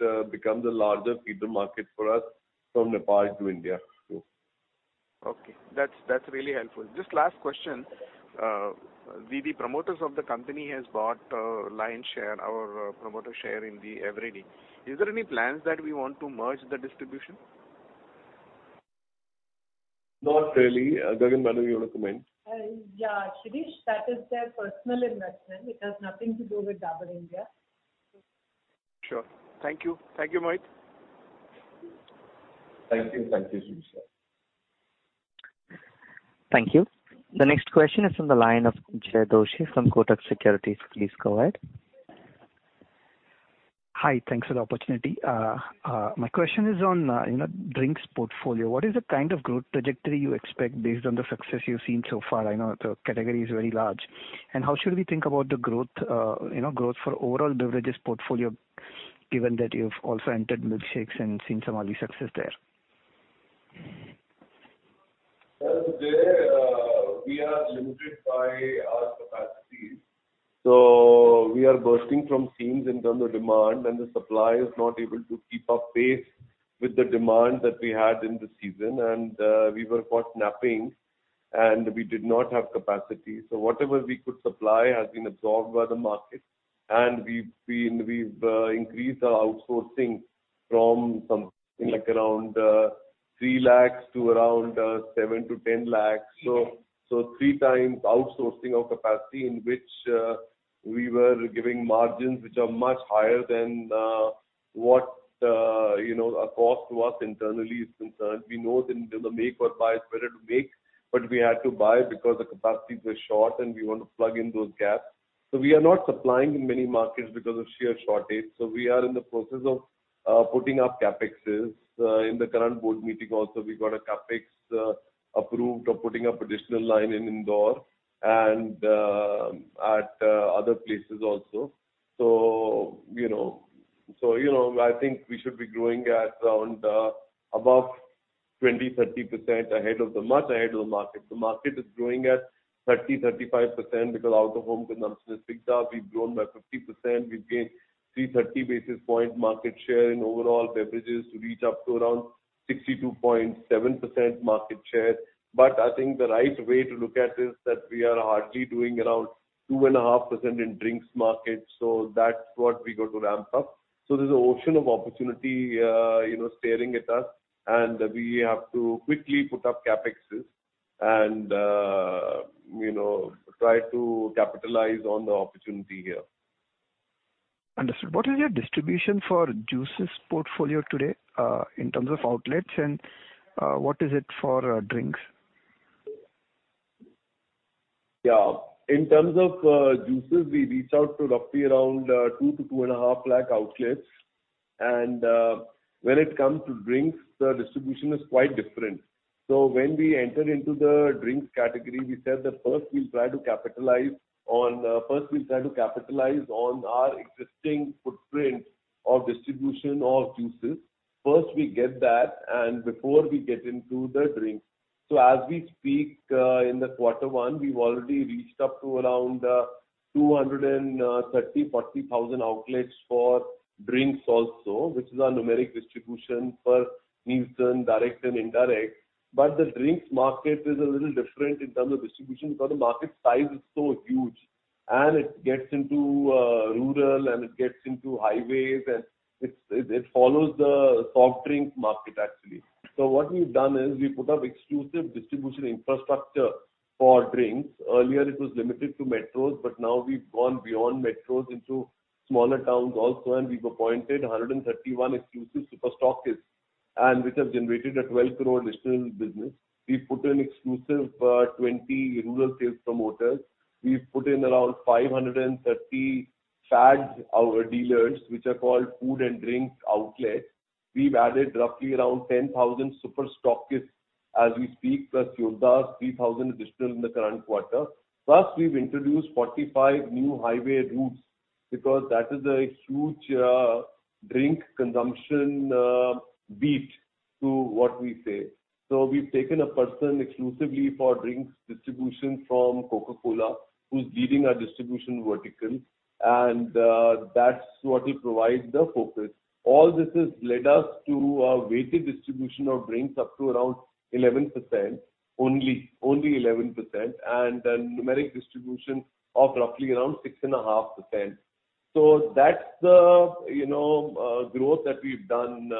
[SPEAKER 2] so that becomes a larger feeder market for us from Nepal to India too.
[SPEAKER 9] Okay. That's really helpful. Just last question. V.V. promoters of the company has bought a lion's share or a promoter share in the Eveready. Is there any plans that we want to merge the distribution?
[SPEAKER 2] Not really. Gagan, Madhu, you wanna comment?
[SPEAKER 1] Yeah. Shirish, that is their personal investment. It has nothing to do with Dabur India.
[SPEAKER 9] Sure. Thank you. Thank you, Mohit.
[SPEAKER 2] Thank you. Thank you, Shirish.
[SPEAKER 3] Thank you. The next question is from the line of Jay Doshi from Kotak Securities. Please go ahead.
[SPEAKER 10] Hi. Thanks for the opportunity. My question is on, you know, drinks portfolio. What is the kind of growth trajectory you expect based on the success you've seen so far? I know the category is very large. How should we think about the growth, you know, for overall beverages portfolio, given that you've also entered milkshakes and seen some early success there?
[SPEAKER 2] We are limited by our capacities. We are bursting at the seams in terms of demand, and the supply is not able to keep pace with the demand that we had in the season. We were caught napping, and we did not have capacity. Whatever we could supply has been absorbed by the market. We've increased our outsourcing from something like around 3 lakh to around 7 lakh-10 lakh. Three times outsourcing our capacity, in which we were giving margins which are much higher than what you know our cost to us internally is concerned. We know that in the make or buy, it's better to make, but we had to buy because the capacities were short, and we want to plug in those gaps. We are not supplying in many markets because of sheer shortage. We are in the process of putting up CapExes. In the current board meeting also we got a CapEx approved of putting up additional line in Indore. At other places also. You know, I think we should be growing at around above 20%-30% ahead of the market. The market is growing at 30%-35% because out-of-home consumption is picked up. We've grown by 50%. We've gained 330 basis points market share in overall beverages to reach up to around 62.7% market share. I think the right way to look at is that we are hardly doing around 2.5% in drinks market, so that's what we got to ramp up. There's an ocean of opportunity, you know, staring at us, and we have to quickly put up CapExes and, you know, try to capitalize on the opportunity here.
[SPEAKER 10] Understood. What is your distribution for juices portfolio today, in terms of outlets, and what is it for drinks?
[SPEAKER 2] Yeah. In terms of juices, we reach out to roughly around 2 lakh-2.5 lakh outlets. When it comes to drinks, the distribution is quite different. When we entered into the drinks category, we said that first we'll try to capitalize on our existing footprint of distribution of juices. First we get that, and before we get into the drinks. As we speak, in the quarter one, we've already reached up to around 234,000 outlets for drinks also, which is our numeric distribution per Nielsen direct and indirect. The drinks market is a little different in terms of distribution because the market size is so huge, and it gets into rural, and it gets into highways and it follows the soft drinks market actually. What we've done is we put up exclusive distribution infrastructure for drinks. Earlier it was limited to metros, but now we've gone beyond metros into smaller towns also, and we've appointed 131 exclusive super stockists, which have generated 12 crore additional business. We've put in exclusive 20 rural sales promoters. We've put in around 530 FADs, our dealers, which are called food and drinks outlets. We've added roughly around 10,000 super stockists as we speak, plus Yoddha's 3,000 additional in the current quarter. We've introduced 45 new highway routes because that is a huge drink consumption better than what we said. We've taken a person exclusively for drinks distribution from Coca-Cola who's leading our distribution vertical, and that's what will provide the focus. All this has led us to a weighted distribution of drinks up to around 11% only, 11%, and a numeric distribution of roughly around 6.5%. That's the, you know, growth that we've done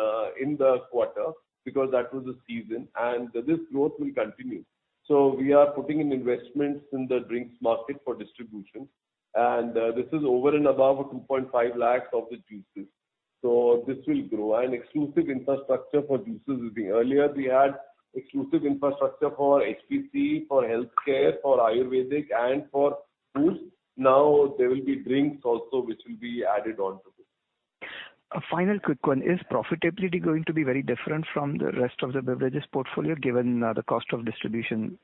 [SPEAKER 2] in the quarter because that was the season. This growth will continue. We are putting in investments in the drinks market for distribution. This is over and above 2.5 lakhs of the juices. This will grow. Exclusive infrastructure for juices is being. Earlier we had exclusive infrastructure for HPC, for healthcare, for Ayurvedic and for foods. Now there will be drinks also which will be added on to this.
[SPEAKER 10] A final quick one. Is profitability going to be very different from the rest of the beverages portfolio given the cost of distribution?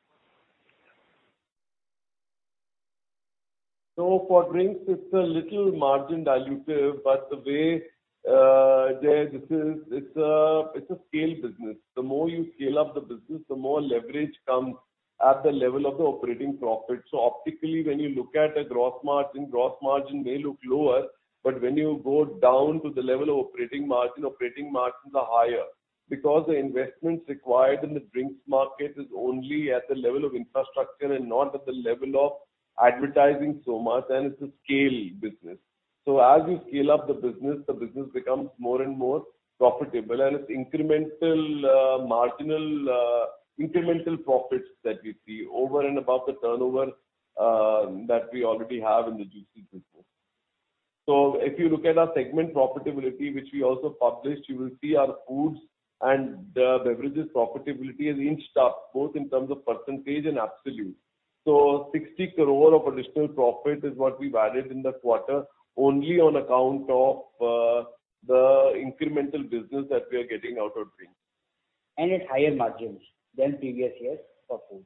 [SPEAKER 2] For drinks, it's a little margin dilutive, but this is a scale business. The more you scale up the business, the more leverage comes at the level of the operating profit. Optically, when you look at the gross margin, gross margin may look lower, but when you go down to the level of operating margin, operating margins are higher. Because the investments required in the drinks market is only at the level of infrastructure and not at the level of advertising so much, and it's a scale business. As you scale up the business, the business becomes more and more profitable. It's incremental marginal incremental profits that you see over and above the turnover that we already have in the juices business. If you look at our segment profitability, which we also published, you will see our foods and beverages profitability has inched up, both in terms of percentage and absolute. 60 crore of additional profit is what we've added in the quarter only on account of the incremental business that we are getting out of drinks.
[SPEAKER 5] It's higher margins than previous years for foods.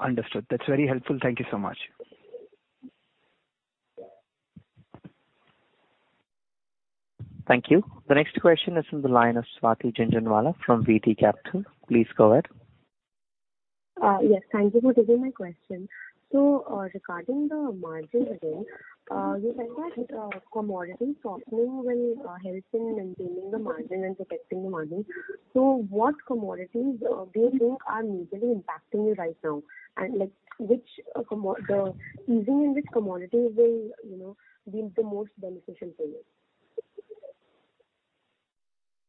[SPEAKER 10] Understood. That's very helpful. Thank you so much.
[SPEAKER 2] Thank you.
[SPEAKER 3] The next question is from the line of Swati Jhunjhunwala from VT Capital. Please go ahead.
[SPEAKER 11] Yes. Thank you for taking my question. Regarding the margin again, you said that commodity softening will help in maintaining the margin and protecting the margin. What commodities do you think are majorly impacting you right now? Like, the easing in which commodity will, you know, be the most beneficial for you?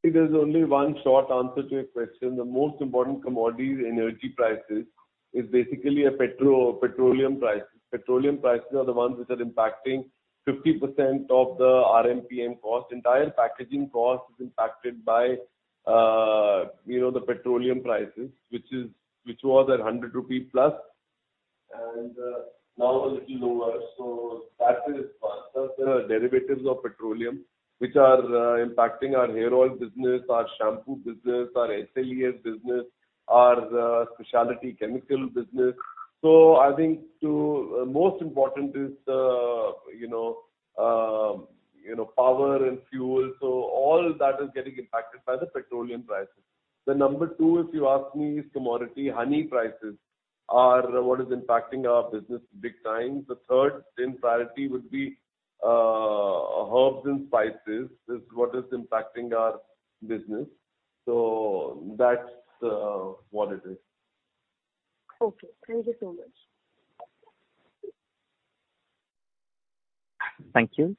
[SPEAKER 2] There's only one short answer to your question. The most important commodity is energy prices, basically petroleum price. Petroleum prices are the ones which are impacting 50% of the RMPM cost. Entire packaging cost is impacted by, you know, the petroleum prices, which was at 100+ rupee and now a little lower. That is one. Plus there are derivatives of petroleum which are impacting our hair oil business, our shampoo business, our SLES business, our specialty chemical business. I think the most important is, you know, power and fuel. All that is getting impacted by the petroleum prices. The number two, if you ask me, is commodity. Honey prices are what is impacting our business big time. The third in priority would be, herbs and spices is what is impacting our business. That's what it is.
[SPEAKER 11] Okay. Thank you so much.
[SPEAKER 3] Thank you.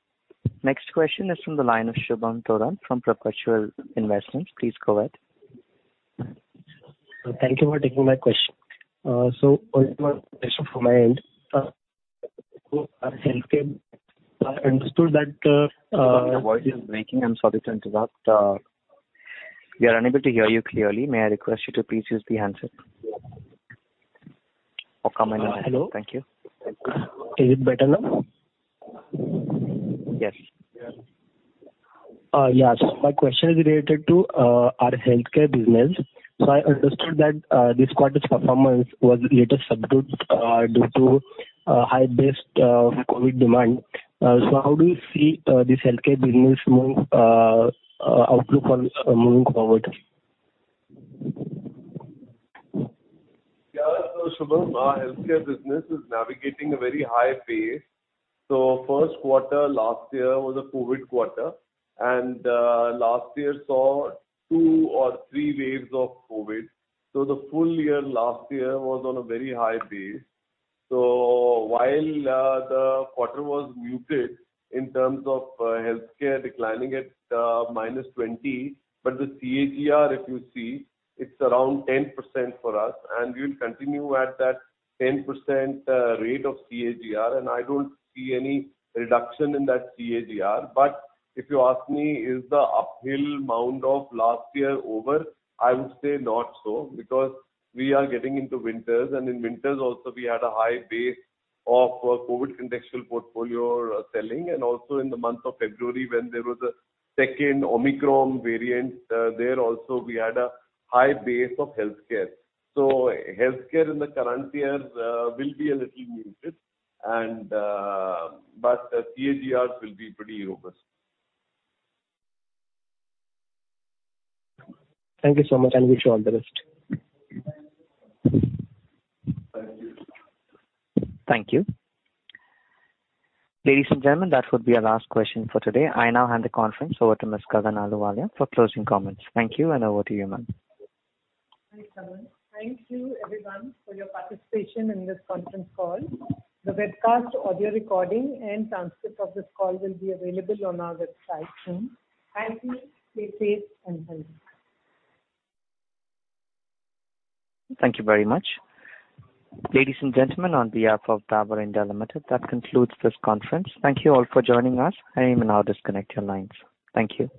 [SPEAKER 3] Next question is from the line of Shubham Thorat from Perpetual Investments. Please go ahead.
[SPEAKER 12] Thank you for taking my question. One question from my end. Healthcare, I understood that.
[SPEAKER 3] Your voice is breaking. I'm sorry to interrupt. We are unable to hear you clearly. May I request you to please use the handset or come in a little.
[SPEAKER 12] Hello.
[SPEAKER 3] Thank you.
[SPEAKER 12] Is it better now?
[SPEAKER 3] Yes.
[SPEAKER 12] My question is related to our healthcare business. I understood that this quarter's performance was little subdued due to high base COVID demand. How do you see this healthcare business moving forward, outlook on moving forward?
[SPEAKER 2] Yeah. Shubham, our healthcare business is navigating a very high pace. First quarter last year was a COVID quarter, and last year saw two or three waves of COVID. The full year last year was on a very high pace. While the quarter was muted in terms of healthcare declining at -20%, but the CAGR, if you see, it's around 10% for us, and we'll continue at that 10% rate of CAGR, and I don't see any reduction in that CAGR. But if you ask me, is the uphill mound of last year over? I would say not so, because we are getting into winters, and in winters also we had a high base of COVID contextual portfolio selling, and also in the month of February when there was a second Omicron variant, there also we had a high base of healthcare. Healthcare in the current year will be a little muted. CAGR will be pretty robust.
[SPEAKER 12] Thank you so much. I wish you all the best.
[SPEAKER 3] Thank you. Ladies and gentlemen, that would be our last question for today. I now hand the conference over to Ms. Gagan Ahluwalia for closing comments. Thank you, and over to you, ma'am.
[SPEAKER 1] Hi, Shubham. Thank you everyone for your participation in this conference call. The webcast, audio recording and transcript of this call will be available on our website soon. Please stay safe and healthy.
[SPEAKER 3] Thank you very much. Ladies and gentlemen, on behalf of Dabur India Limited, that concludes this conference. Thank you all for joining us. You may now disconnect your lines. Thank you.